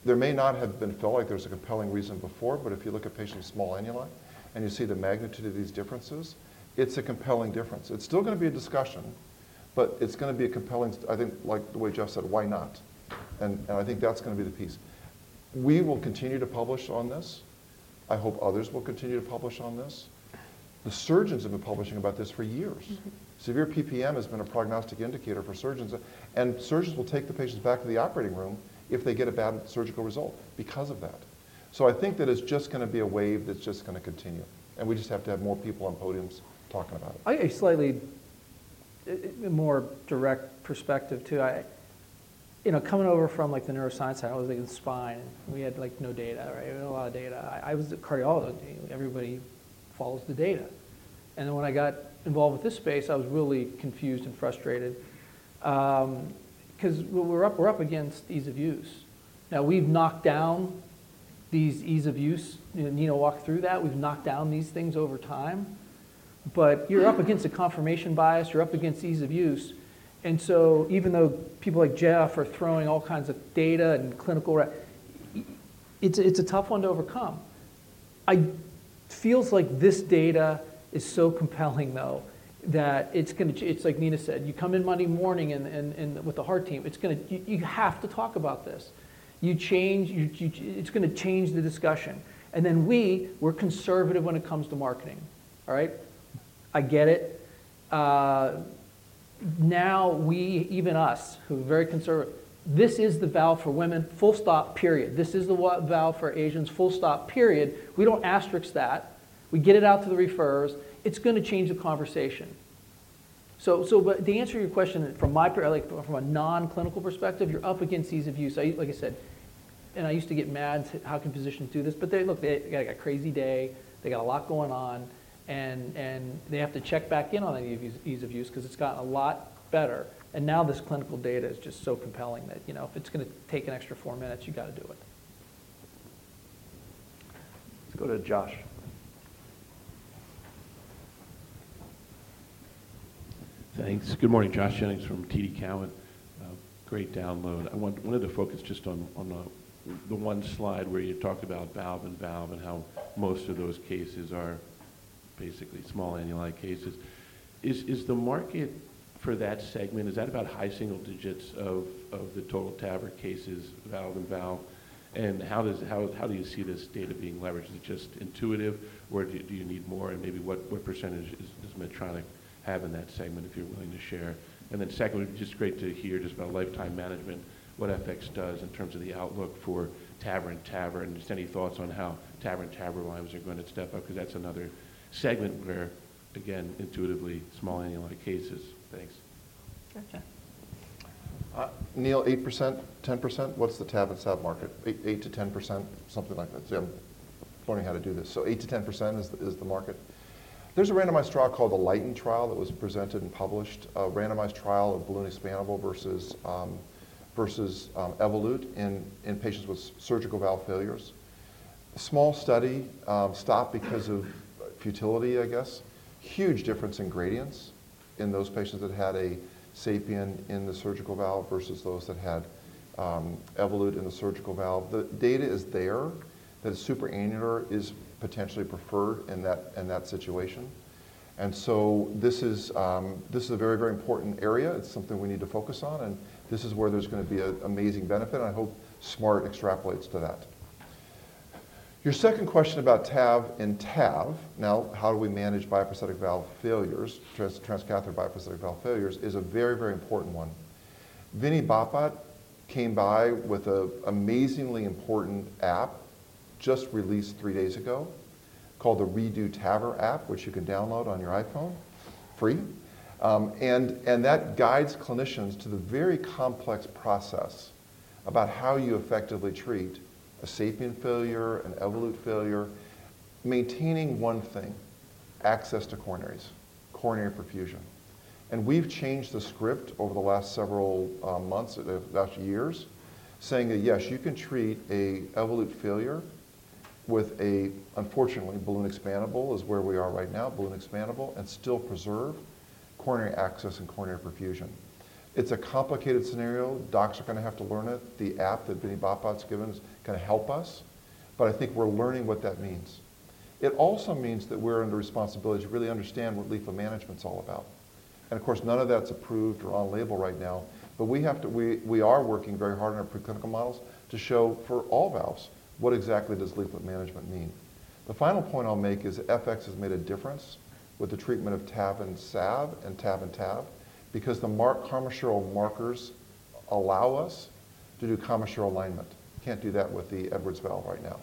There may not have been felt like there's a compelling reason before. But if you look at patients' small annuli and you see the magnitude of these differences, it's a compelling difference. It's still going to be a discussion. But it's going to be a compelling, I think, like the way Jeff said, why not? And I think that's going to be the piece. We will continue to publish on this. I hope others will continue to publish on this. The surgeons have been publishing about this for years. Severe PPM has been a prognostic indicator for surgeons. And surgeons will take the patients back to the operating room if they get a bad surgical result because of that. So I think that it's just going to be a wave that's just going to continue. And we just have to have more people on podiums talking about it. I have a slightly more direct perspective too. Coming over from the neuroscience side, I was thinking spine. And we had no data, right? We had a lot of data. I was a cardiologist. Everybody follows the data. And then when I got involved with this space, I was really confused and frustrated because we're up against ease of use. Now, we've knocked down these ease of use. Nina walked through that. We've knocked down these things over time. But you're up against a confirmation bias. You're up against ease of use. And so even though people like Jeff are throwing all kinds of data and clinical, it's a tough one to overcome. It feels like this data is so compelling, though, that it's going to, it's like Nina said, you come in Monday morning with the heart team. You have to talk about this. It's going to change the discussion. And then we, we're conservative when it comes to marketing, all right? I get it. Now, even us, who are very conservative, this is the valve for women, full stop, period. This is the valve for Asians, full stop, period. We don't asterisk that. We get it out to the referrers. It's going to change the conversation. So the answer to your question from a non-clinical perspective, you're up against ease of use. Like I said, and I used to get mad, how can physicians do this? But look, they've got a crazy day. They've got a lot going on. And they have to check back in on any of these ease of use because it's gotten a lot better. And now this clinical data is just so compelling that if it's going to take an extra 4 minutes, you've got to do it. Let's go to Josh. Thanks. Good morning, Josh Jennings from TD Cowen. Great download. I wanted to focus just on the one slide where you talk about valve-in-valve and how most of those cases are basically small annuli cases. Is the market for that segment, is that about high single digits of the total TAVR cases, valve-in-valve? And how do you see this data being leveraged? Is it just intuitive? Or do you need more? And maybe what percentage does Medtronic have in that segment if you're willing to share? And then secondly, just great to hear just about lifetime management, what FX does in terms of the outlook for TAVR and valve-in-valve TAVR. And just any thoughts on how valve-in-valve TAVR lines are going to step up because that's another segment where, again, intuitively, small annuli cases. Thanks. Gotcha. Neil, 8%-10%? What's the TAVR and SAVR market? 8%-10%, something like that. See, I'm learning how to do this. So 8%-10% is the market. There's a randomized trial called the LYTEN Trial that was presented and published, a randomized trial of balloon expandable versus Evolut in patients with surgical valve failures. Small study, stopped because of futility, I guess. Huge difference in gradients in those patients that had a Sapien in the surgical valve versus those that had Evolut in the surgical valve. The data is there that a supra-annular is potentially preferred in that situation. And so this is a very, very important area. It's something we need to focus on. And this is where there's going to be an amazing benefit. And I hope SMART extrapolates to that. Your second question about TAVR and TAVR, now how do we manage transcatheter bioprosthetic valve failures, is a very, very important one. Vini Bapat came by with an amazingly important app just released three days ago called the Redo TAVR app, which you can download on your iPhone free. That guides clinicians to the very complex process about how you effectively treat a Sapien failure, an Evolut failure, maintaining one thing, access to coronaries, coronary perfusion. We've changed the script over the last several months, last years, saying that, yes, you can treat an Evolut failure with a, unfortunately, balloon expandable is where we are right now, balloon expandable, and still preserve coronary access and coronary perfusion. It's a complicated scenario. Docs are going to have to learn it. The app that Vini Bapat's given is going to help us. But I think we're learning what that means. It also means that we're under responsibility to really understand what leaflet management's all about. And of course, none of that's approved or on label right now. But we are working very hard on our preclinical models to show for all valves what exactly does leaflet management mean. The final point I'll make is FX has made a difference with the treatment of TAVR and SAVR and TAVR and TAVR because the commissural markers allow us to do commissural alignment. Can't do that with the Edwards valve right now.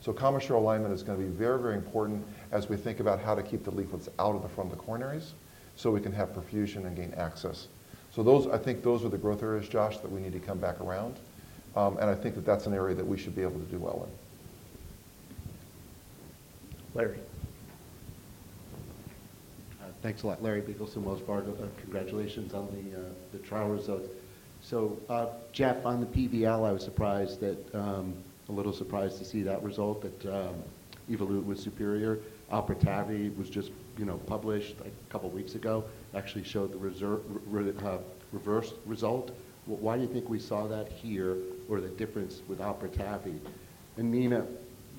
So commissural alignment is going to be very, very important as we think about how to keep the leaflets out of the front of the coronaries so we can have perfusion and gain access. So I think those are the growth areas, Josh, that we need to come back around. I think that that's an area that we should be able to do well in. Larry. Thanks a lot. Larry Biegelsen and Wells Fargo, congratulations on the trial results. So Jeff, on the PVL, I was surprised that, a little surprised to see that result, that Evolut was superior. ALFA-TAVI was just published a couple of weeks ago, actually showed the reversed result. Why do you think we saw that here or the difference with AlFA-TAVI? And Nina,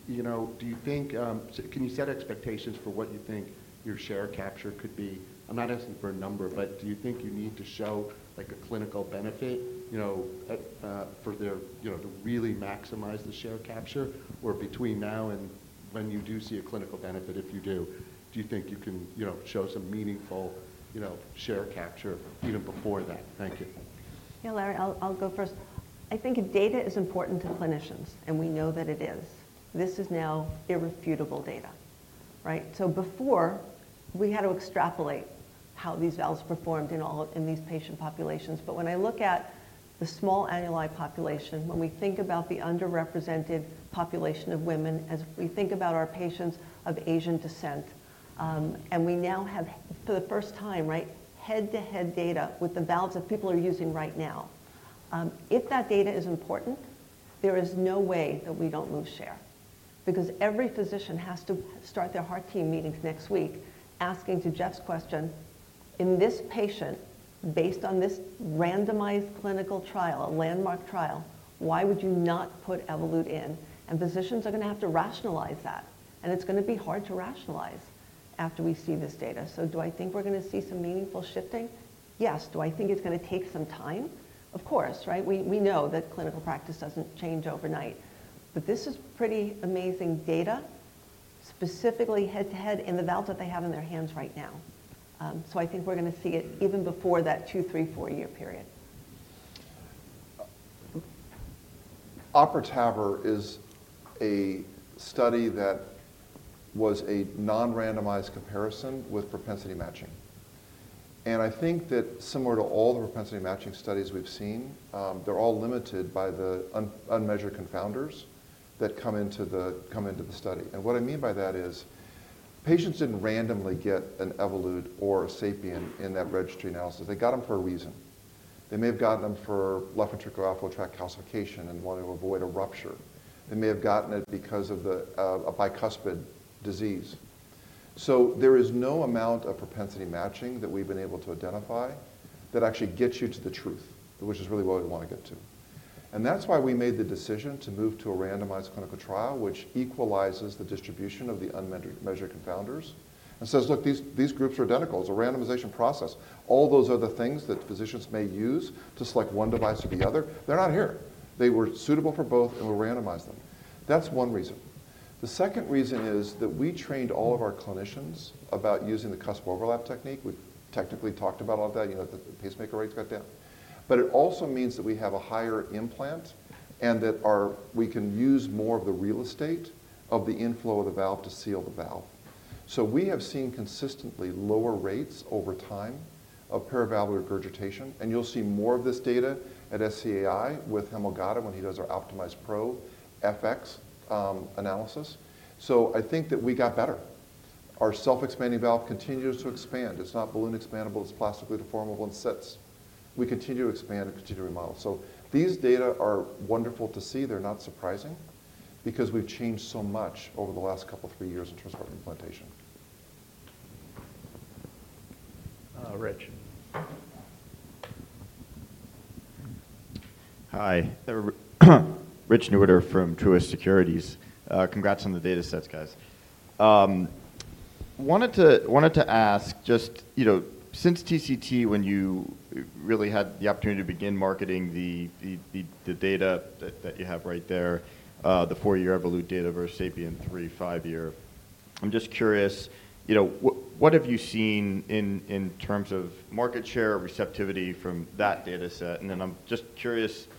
do you think, can you set expectations for what you think your share capture could be? I'm not asking for a number. But do you think you need to show a clinical benefit to really maximize the share capture? Or between now and when you do see a clinical benefit, if you do, do you think you can show some meaningful share capture even before that? Thank you. Yeah, Larry, I'll go first. I think data is important to clinicians. And we know that it is. This is now irrefutable data, right? Before, we had to extrapolate how these valves performed in these patient populations. But when I look at the small annuli population, when we think about the underrepresented population of women, as we think about our patients of Asian descent, and we now have, for the first time, head-to-head data with the valves that people are using right now, if that data is important, there is no way that we don't move share because every physician has to start their heart team meetings next week asking to Jeff's question, in this patient, based on this randomized clinical trial, a landmark trial, why would you not put Evolut in? And physicians are going to have to rationalize that. It's going to be hard to rationalize after we see this data. So do I think we're going to see some meaningful shifting? Yes. Do I think it's going to take some time? Of course, right? We know that clinical practice doesn't change overnight. But this is pretty amazing data, specifically head-to-head in the valves that they have in their hands right now. So I think we're going to see it even before that 2, 3, 4-year period. AlFA-TAVI is a study that was a non-randomized comparison with propensity matching. I think that, similar to all the propensity matching studies we've seen, they're all limited by the unmeasured confounders that come into the study. What I mean by that is patients didn't randomly get an Evolut or a Sapien in that registry analysis. They got them for a reason. They may have gotten them for left ventricular outflow tract calcification and wanted to avoid a rupture. They may have gotten it because of a bicuspid disease. So there is no amount of propensity matching that we've been able to identify that actually gets you to the truth, which is really what we want to get to. That's why we made the decision to move to a randomized clinical trial, which equalizes the distribution of the unmeasured confounders and says, look, these groups are identical. It's a randomization process. All those are the things that physicians may use to select one device or the other. They're not here. They were suitable for both. And we randomized them. That's one reason. The second reason is that we trained all of our clinicians about using the Cusp Overlap Technique. We've technically talked about all of that, that the pacemaker rate's got down. But it also means that we have a higher implant and that we can use more of the real estate of the inflow of the valve to seal the valve. So we have seen consistently lower rates over time of paravalvular regurgitation. And you'll see more of this data at SCAI with Hemal Gada when he does our Optimized PRO FX analysis. So I think that we got better. Our self-expanding valve continues to expand. It's not balloon expandable. It's plastically deformable and sits. We continue to expand and continue to remodel. These data are wonderful to see. They're not surprising because we've changed so much over the last couple, three years in terms of heart implantation. Rich. Hi. Rich Newitter from Truist Securities. Congrats on the data sets, guys. Wanted to ask just, since TCT, when you really had the opportunity to begin marketing the data that you have right there, the 4-year Evolut data versus Sapien 3, 5-year, I'm just curious, what have you seen in terms of market share or receptivity from that data set? And then I'm just curious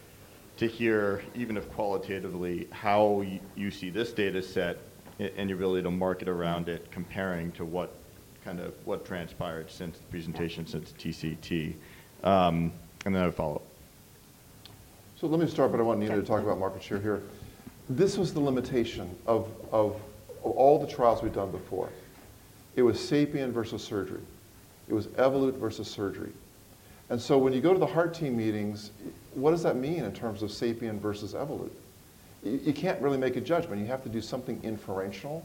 to hear, even if qualitatively, how you see this data set and your ability to market around it comparing to what transpired since the presentation since TCT. And then I'll follow up. So let me start. But I want Nina to talk about market share here. This was the limitation of all the trials we've done before. It was Sapien versus surgery. It was Evolut versus surgery. And so when you go to the heart team meetings, what does that mean in terms of Sapien versus Evolut? You can't really make a judgment. You have to do something inferential.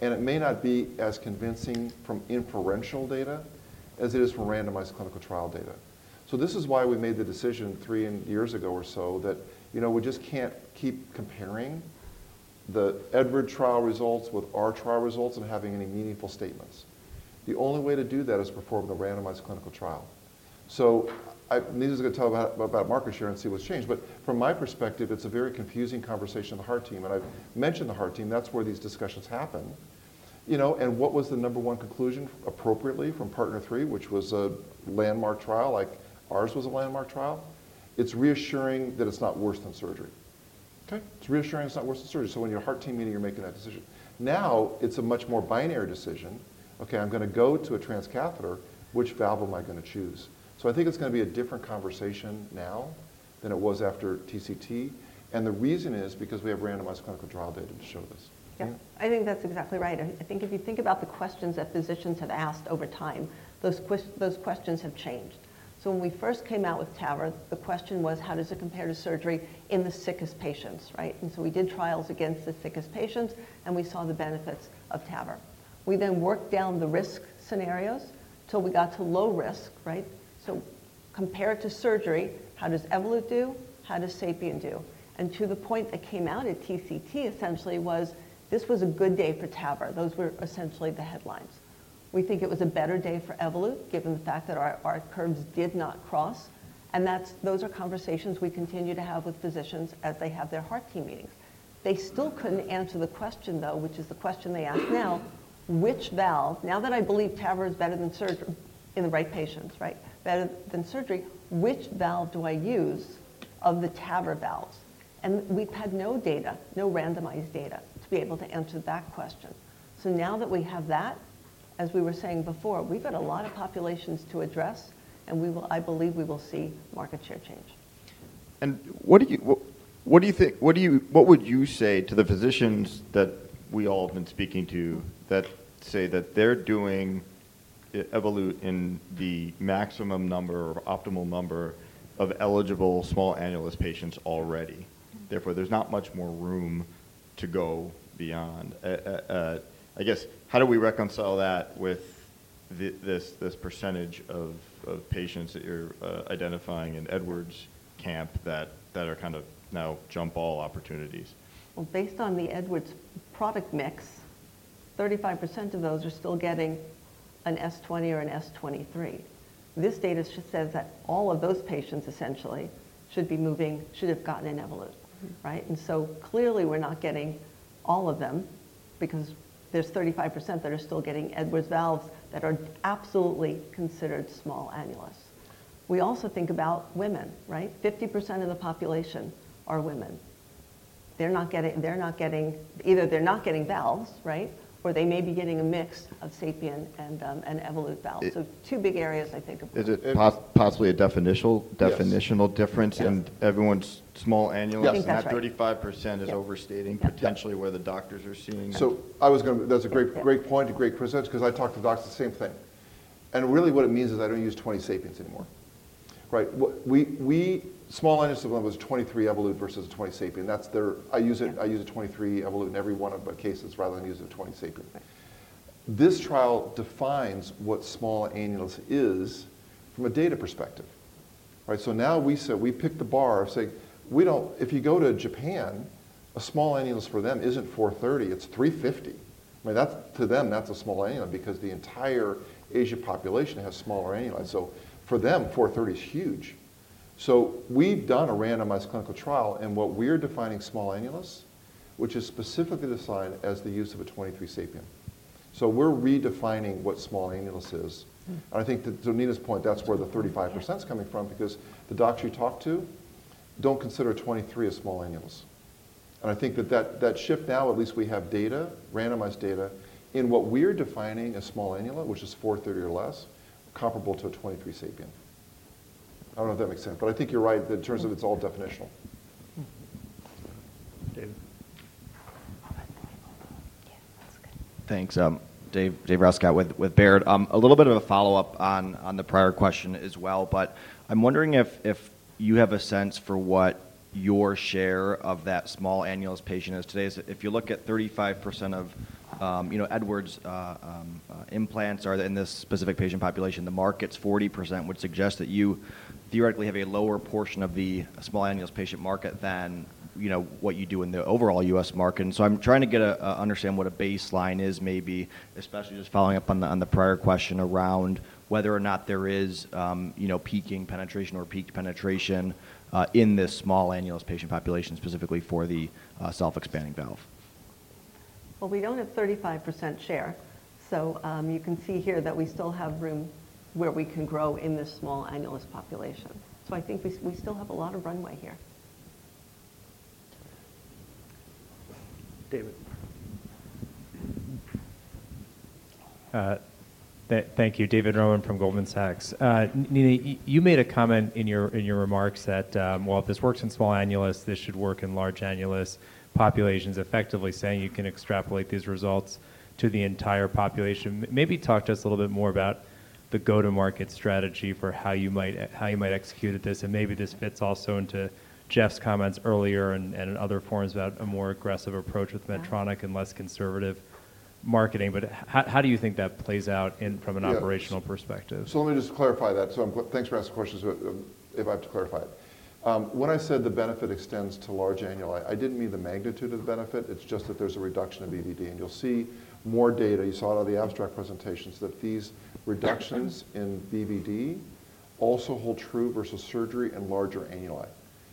And it may not be as convincing from inferential data as it is from randomized clinical trial data. So this is why we made the decision three years ago or so that we just can't keep comparing the Edwards trial results with our trial results and having any meaningful statements. The only way to do that is perform the randomized clinical trial. So Nina's going to tell about market share and see what's changed. But from my perspective, it's a very confusing conversation in the heart team. I've mentioned the heart team. That's where these discussions happen. And what was the number one conclusion, appropriately, from PARTNER 3, which was a landmark trial, like ours was a landmark trial? It's reassuring that it's not worse than surgery. It's reassuring it's not worse than surgery. So when you're heart team meeting, you're making that decision. Now, it's a much more binary decision, okay, I'm going to go to a transcatheter. Which valve am I going to choose? So I think it's going to be a different conversation now than it was after TCT. And the reason is because we have randomized clinical trial data to show this. Yeah. I think that's exactly right. I think if you think about the questions that physicians have asked over time, those questions have changed. So when we first came out with TAVR, the question was, how does it compare to surgery in the sickest patients, right? And so we did trials against the sickest patients. And we saw the benefits of TAVR. We then worked down the risk scenarios till we got to low risk, right? So compare it to surgery. How does Evolut do? How does Sapien do? And to the point that came out at TCT, essentially, was this was a good day for TAVR. Those were essentially the headlines. We think it was a better day for Evolut given the fact that our curves did not cross. And those are conversations we continue to have with physicians as they have their heart team meetings. They still couldn't answer the question, though, which is the question they ask now, which valve, now that I believe TAVR is better than surgery in the right patients, right, better than surgery, which valve do I use of the TAVR valves? And we've had no data, no randomized data, to be able to answer that question. So now that we have that, as we were saying before, we've got a lot of populations to address. And I believe we will see market share change. What do you think, what would you say to the physicians that we all have been speaking to that say that they're doing Evolut in the maximum number or optimal number of eligible small annulus patients already? Therefore, there's not much more room to go beyond. I guess, how do we reconcile that with this percentage of patients that you're identifying in Edwards camp that are kind of now jump-ball opportunities? Well, based on the Edwards product mix, 35% of those are still getting an S20 or an S23. This data says that all of those patients, essentially, should be moving, should have gotten an Evolut, right? And so clearly, we're not getting all of them because there's 35% that are still getting Edwards valves that are absolutely considered small annulus. We also think about women, right? 50% of the population are women. They're not getting either they're not getting valves, right, or they may be getting a mix of Sapien and Evolut valves. So two big areas, I think. Is it possibly a definitional difference? And everyone's small annulus, that 35% is overstating potentially where the doctors are seeing? So that's a great point, a great presentation because I talk to docs the same thing. And really, what it means is I don't use 20 Sapien anymore, right? Small annulus was 23 Evolut versus 20 Sapien. I use a 23 Evolut in every one of the cases rather than use a 20 Sapien. This trial defines what small annulus is from a data perspective, right? So now we pick the bar of saying, if you go to Japan, a small annulus for them isn't 430. It's 350. I mean, to them, that's a small annulus because the entire Asia population has smaller annulus. So for them, 430 is huge. So we've done a randomized clinical trial. And what we're defining small annulus, which is specifically defined as the use of a 23 Sapien. So we're redefining what small annulus is. I think, to Nina's point, that's where the 35% is coming from because the docs you talk to don't consider a 23 a small annulus. I think that that shift now, at least we have data, randomized data, in what we're defining a small annulus, which is 430 or less, comparable to a 23 Sapien. I don't know if that makes sense. But I think you're right that in terms of it's all definitional. David. Thanks, Dave Rescott with Baird. A little bit of a follow-up on the prior question as well. But I'm wondering if you have a sense for what your share of that small annulus patient is today. If you look at 35% of Edwards implants in this specific patient population, the market's 40% would suggest that you theoretically have a lower portion of the small annulus patient market than what you do in the overall U.S. market. And so I'm trying to understand what a baseline is, maybe, especially just following up on the prior question around whether or not there is peaking penetration or peaked penetration in this small annulus patient population, specifically for the self-expanding valve. Well, we don't have 35% share. You can see here that we still have room where we can grow in this small annulus population. I think we still have a lot of runway here. David. Thank you, David Roman from Goldman Sachs. Nina, you made a comment in your remarks that, well, if this works in small annulus, this should work in large annulus populations, effectively saying you can extrapolate these results to the entire population. Maybe talk to us a little bit more about the go-to-market strategy for how you might execute at this. And maybe this fits also into Jeff's comments earlier and other forums about a more aggressive approach with Medtronic and less conservative marketing. But how do you think that plays out from an operational perspective? So let me just clarify that. So thanks for asking the questions if I have to clarify it. When I said the benefit extends to large annuli, I didn't mean the magnitude of the benefit. It's just that there's a reduction of BVD. And you'll see more data you saw it on the abstract presentations that these reductions in BVD also hold true versus surgery and larger annuli.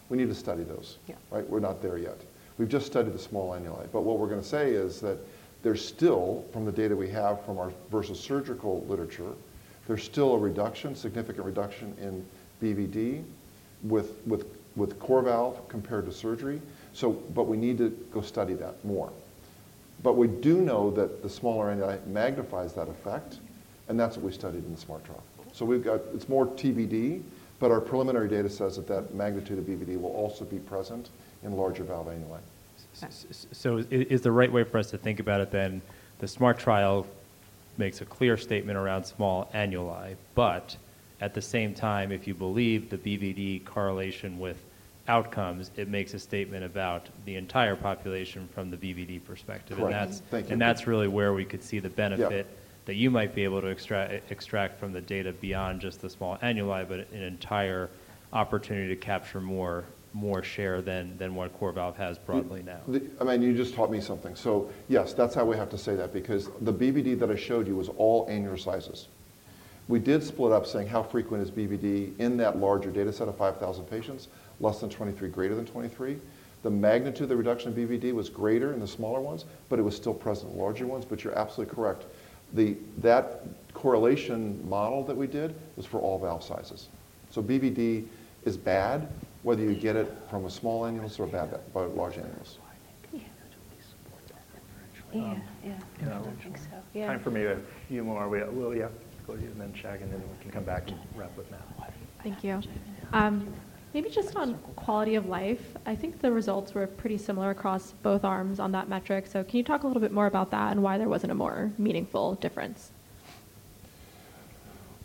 We need to study those, right? We're not there yet. We've just studied the small annuli. But what we're going to say is that there's still, from the data we have from our versus surgical literature, there's still a reduction, significant reduction in BVD with CoreValve compared to surgery. But we need to go study that more. But we do know that the smaller annuli magnifies that effect. And that's what we studied in the SMART Trial. So it's more BVD. But our preliminary data says that that magnitude of BVD will also be present in larger valve annuli. So is the right way for us to think about it then, the SMART Trial makes a clear statement around small annuli? But at the same time, if you believe the BVD correlation with outcomes, it makes a statement about the entire population from the BVD perspective. And that's really where we could see the benefit that you might be able to extract from the data beyond just the small annuli, but an entire opportunity to capture more share than what CoreValve has broadly now. I mean, you just taught me something. So yes, that's how we have to say that because the BVD that I showed you was all annular sizes. We did split up saying how frequent is BVD in that larger data set of 5,000 patients, less than 23, greater than 23. The magnitude of the reduction in BVD was greater in the smaller ones. But it was still present in larger ones. But you're absolutely correct. That correlation model that we did was for all valve sizes. So BVD is bad, whether you get it from a small annulus or a large annulus. Yeah, that totally supports that inferential. Yeah. Yeah. Time for me to have a few more. Lilia, go to you. And then Shagan. And then we can come back and wrap up now. Thank you. Maybe just on quality of life, I think the results were pretty similar across both arms on that metric. So can you talk a little bit more about that and why there wasn't a more meaningful difference?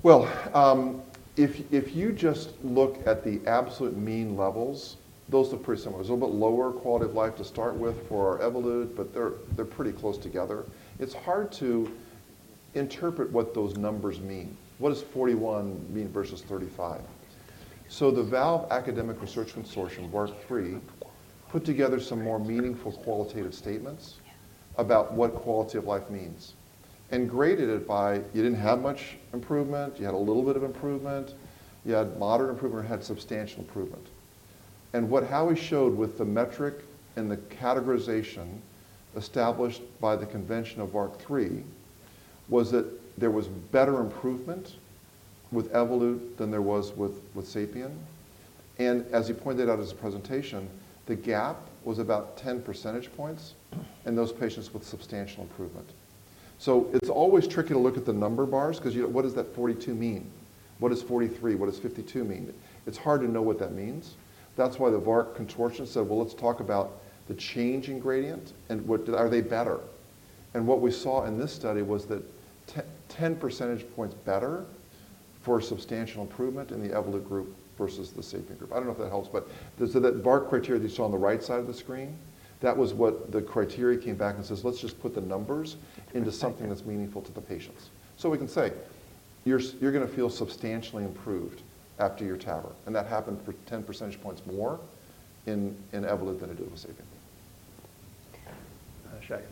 Well, if you just look at the absolute mean levels, those look pretty similar. It was a little bit lower quality of life to start with for our Evolut. But they're pretty close together. It's hard to interpret what those numbers mean. What does 41 mean versus 35? So the Valve Academic Research Consortium, VARC-3, put together some more meaningful qualitative statements about what quality of life means and graded it by you didn't have much improvement. You had a little bit of improvement. You had moderate improvement or had substantial improvement. And how we showed with the metric and the categorization established by the convention of VARC-3 was that there was better improvement with Evolut than there was with Sapien. And as you pointed out in the presentation, the gap was about 10 percentage points in those patients with substantial improvement. So it's always tricky to look at the number bars because what does that 42 mean? What does 43? What does 52 mean? It's hard to know what that means. That's why the VARC consortium said, well, let's talk about the changing gradient. And are they better? And what we saw in this study was that 10 percentage points better for substantial improvement in the Evolut group versus the Sapien group. I don't know if that helps. But the VARC criteria that you saw on the right side of the screen, that was what the criteria came back and says, let's just put the numbers into something that's meaningful to the patients. So we can say, you're going to feel substantially improved after your TAVR. And that happened for 10 percentage points more in Evolut than it did with Sapien. Shagun.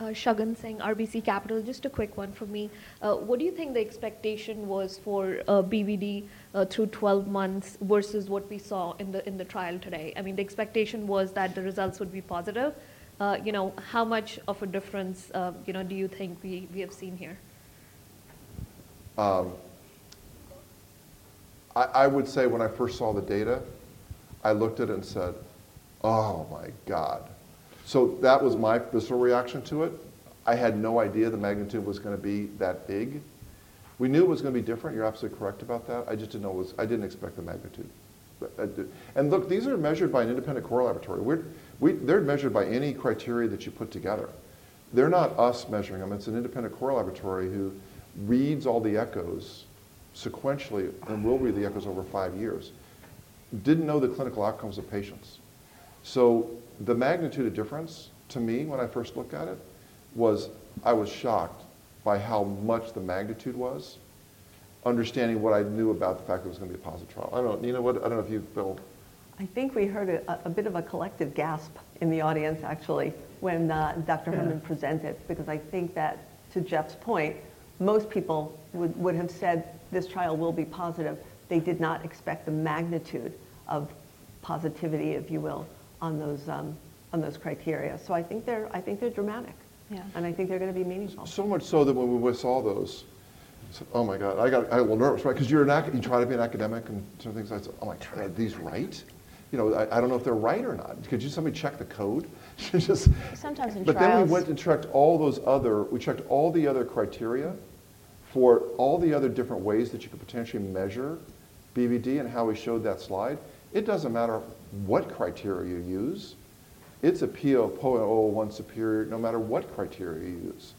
Shagun Singh RBC Capital, just a quick one from me. What do you think the expectation was for BVD through 12 months versus what we saw in the trial today? I mean, the expectation was that the results would be positive. How much of a difference do you think we have seen here? I would say when I first saw the data, I looked at it and said, oh my god. So that was my initial reaction to it. I had no idea the magnitude was going to be that big. We knew it was going to be different. You're absolutely correct about that. I just didn't know it was I didn't expect the magnitude. And look, these are measured by an independent core laboratory. They're measured by any criteria that you put together. They're not us measuring them. It's an independent core laboratory who reads all the echoes sequentially and will read the echoes over five years, didn't know the clinical outcomes of patients. So the magnitude of difference, to me, when I first looked at it was I was shocked by how much the magnitude was, understanding what I knew about the fact it was going to be a positive trial. I don't know. Nina, I don't know if you feel. I think we heard a bit of a collective gasp in the audience, actually, when Dr. Herman presented because I think that, to Jeff's point, most people would have said, this trial will be positive. They did not expect the magnitude of positivity, if you will, on those criteria. So I think they're dramatic. And I think they're going to be meaningful. So much so that when we saw those, I said, oh my god. I got a little nervous, right? Because you try to be an academic and certain things. I said, oh my god. Are these right? I don't know if they're right or not. Could you just help me check the code? Sometimes in trials. But then we went and checked all those other criteria for all the other different ways that you could potentially measure BVD and how we showed that slide. It doesn't matter what criteria you use. It's a p=0.001 superior no matter what criteria you use.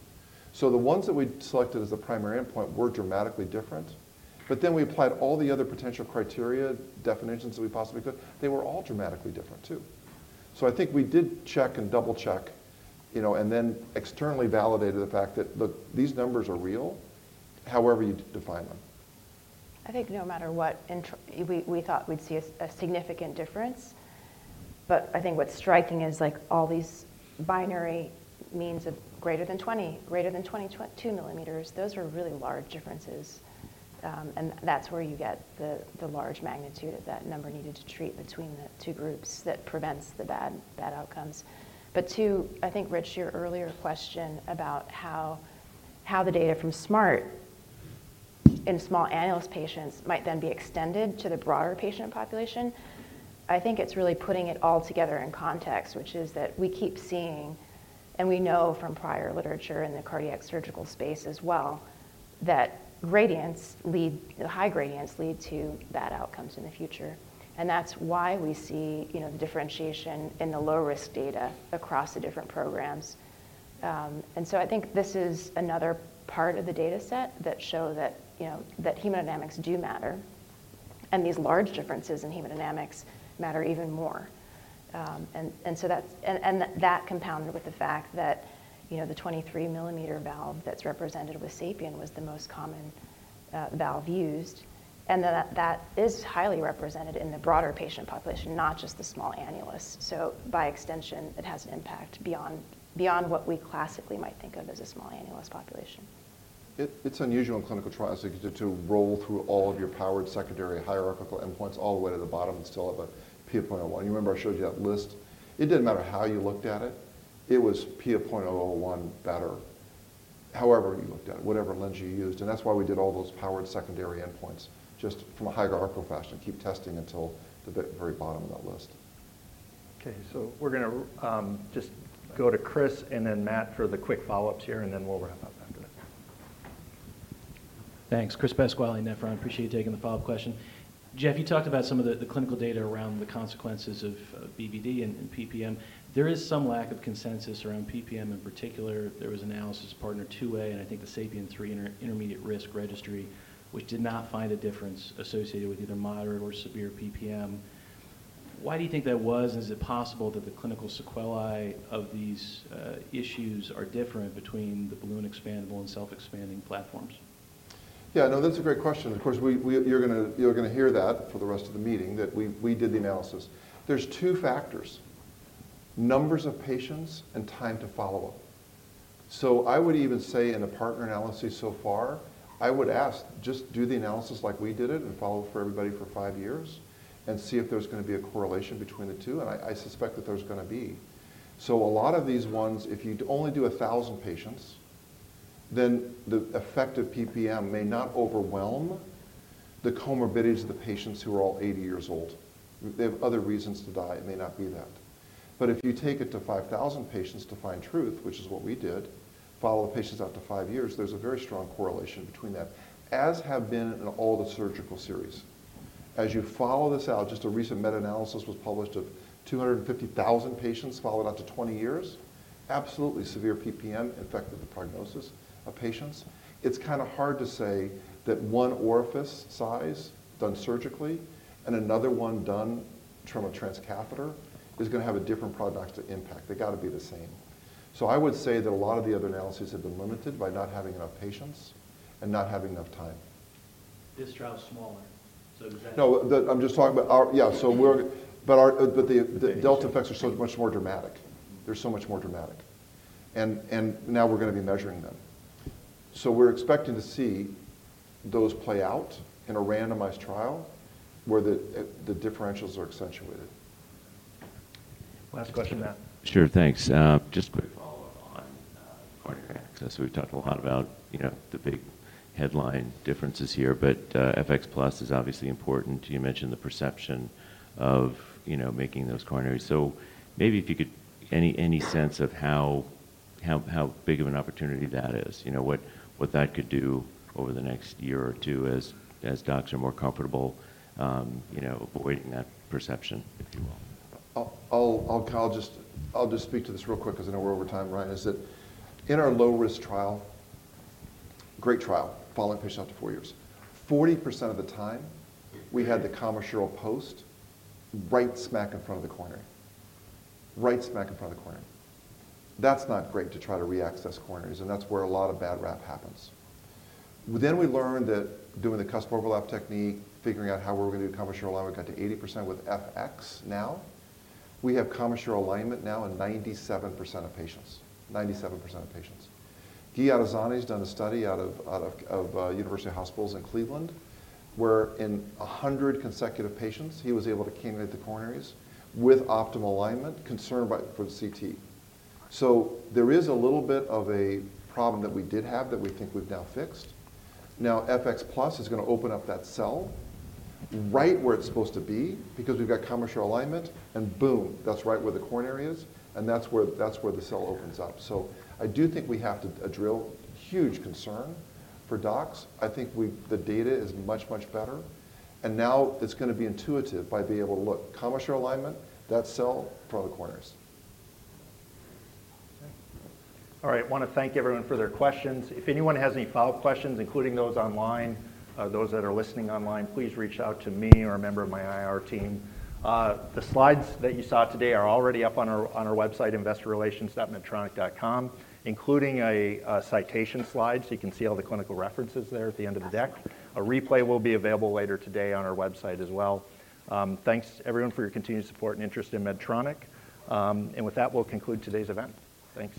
So the ones that we selected as the primary endpoint were dramatically different. But then we applied all the other potential criteria, definitions that we possibly could. They were all dramatically different, too. So I think we did check and double-check and then externally validated the fact that, look, these numbers are real, however you define them. I think no matter what, we thought we'd see a significant difference. But I think what's striking is all these binary means of greater than 20, greater than 22 millimeters; those are really large differences. And that's where you get the large magnitude of that number needed to treat between the two groups that prevents the bad outcomes. But to, I think, Rich, your earlier question about how the data from SMART in small annulus patients might then be extended to the broader patient population, I think it's really putting it all together in context, which is that we keep seeing and we know from prior literature in the cardiac surgical space as well that high gradients lead to bad outcomes in the future. And that's why we see the differentiation in the low-risk data across the different programs. And so I think this is another part of the data set that show that hemodynamics do matter. And these large differences in hemodynamics matter even more. And that compounded with the fact that the 23 millimeter valve that's represented with Sapien was the most common valve used. And that is highly represented in the broader patient population, not just the small annulus. So by extension, it has an impact beyond what we classically might think of as a small annulus population. It's unusual in clinical trials to roll through all of your powered secondary hierarchical endpoints all the way to the bottom and still have a p0.001. You remember I showed you that list? It didn't matter how you looked at it. It was p0.001 better, however you looked at it, whatever lens you used. And that's why we did all those powered secondary endpoints just from a hierarchical fashion, keep testing until the very bottom of that list. Okay. We're going to just go to Chris and then Matt for the quick follow-ups here. Then we'll wrap up after that. Thanks. Chris Pasquale, Nephron. I appreciate you taking the follow-up question. Jeff, you talked about some of the clinical data around the consequences of BVD and PPM. There is some lack of consensus around PPM in particular. There was analysis PARTNER 2A and I think the Sapien 3 intermediate risk registry, which did not find a difference associated with either moderate or severe PPM. Why do you think that was? And is it possible that the clinical sequelae of these issues are different between the balloon expandable and self-expanding platforms? Yeah. No, that's a great question. Of course, you're going to hear that for the rest of the meeting, that we did the analysis. There's 2 factors, numbers of patients and time to follow up. So I would even say in the PARTNER analysis so far, I would ask, just do the analysis like we did it and follow up for everybody for 5 years and see if there's going to be a correlation between the two. And I suspect that there's going to be. So a lot of these ones, if you only do 1,000 patients, then the effect of PPM may not overwhelm the comorbidities of the patients who are all 80 years old. They have other reasons to die. It may not be that. But if you take it to 5,000 patients to find truth, which is what we did, follow the patients out to 5 years, there's a very strong correlation between that, as have been in all the surgical series. As you follow this out, just a recent meta-analysis was published of 250,000 patients followed out to 20 years, absolutely severe PPM affected the prognosis of patients. It's kind of hard to say that one orifice size done surgically and another one done in terms of transcatheter is going to have a different prognostic impact. They've got to be the same. So I would say that a lot of the other analyses have been limited by not having enough patients and not having enough time. This trial is smaller. So does that. No. I'm just talking about yeah. But the delta effects are so much more dramatic. They're so much more dramatic. And now we're going to be measuring them. So we're expecting to see those play out in a randomized trial where the differentials are accentuated. Last question, Matt. Sure. Thanks. Just quick follow-up on coronary access. We've talked a lot about the big headline differences here. But FX+ is obviously important. You mentioned the perception of making those coronaries. So maybe if you could any sense of how big of an opportunity that is, what that could do over the next year or two as docs are more comfortable avoiding that perception, if you will. I'll just speak to this real quick because I know we're over time, Ryan, is that in our low-risk trial, great trial, following patients out to 4 years, 40% of the time, we had the commissural post right smack in front of the coronary, right smack in front of the coronary. That's not great to try to re-access coronaries. And that's where a lot of bad rap happens. Then we learned that doing the cusp overlap technique, figuring out how we're going to do commissural alignment, we got to 80% with FX now. We have commissural alignment now in 97% of patients, 97% of patients. Guy Attizzani has done a study out of University Hospitals in Cleveland where in 100 consecutive patients, he was able to cannulate the coronaries with optimal alignment, concerned for the CT. So there is a little bit of a problem that we did have that we think we've now fixed. Now, FX+ is going to open up that cell right where it's supposed to be because we've got commissural alignment. And boom, that's right where the coronary is. And that's where the cell opens up. So I do think we have to drill huge concern for docs. I think the data is much, much better. And now it's going to be intuitive by being able to look, commissural alignment, that cell from the coronaries. All right. I want to thank everyone for their questions. If anyone has any follow-up questions, including those online, those that are listening online, please reach out to me or a member of my IR team. The slides that you saw today are already up on our website, investorrelations.medtronic.com, including a citation slide so you can see all the clinical references there at the end of the deck. A replay will be available later today on our website as well. Thanks, everyone, for your continued support and interest in Medtronic. And with that, we'll conclude today's event. Thanks.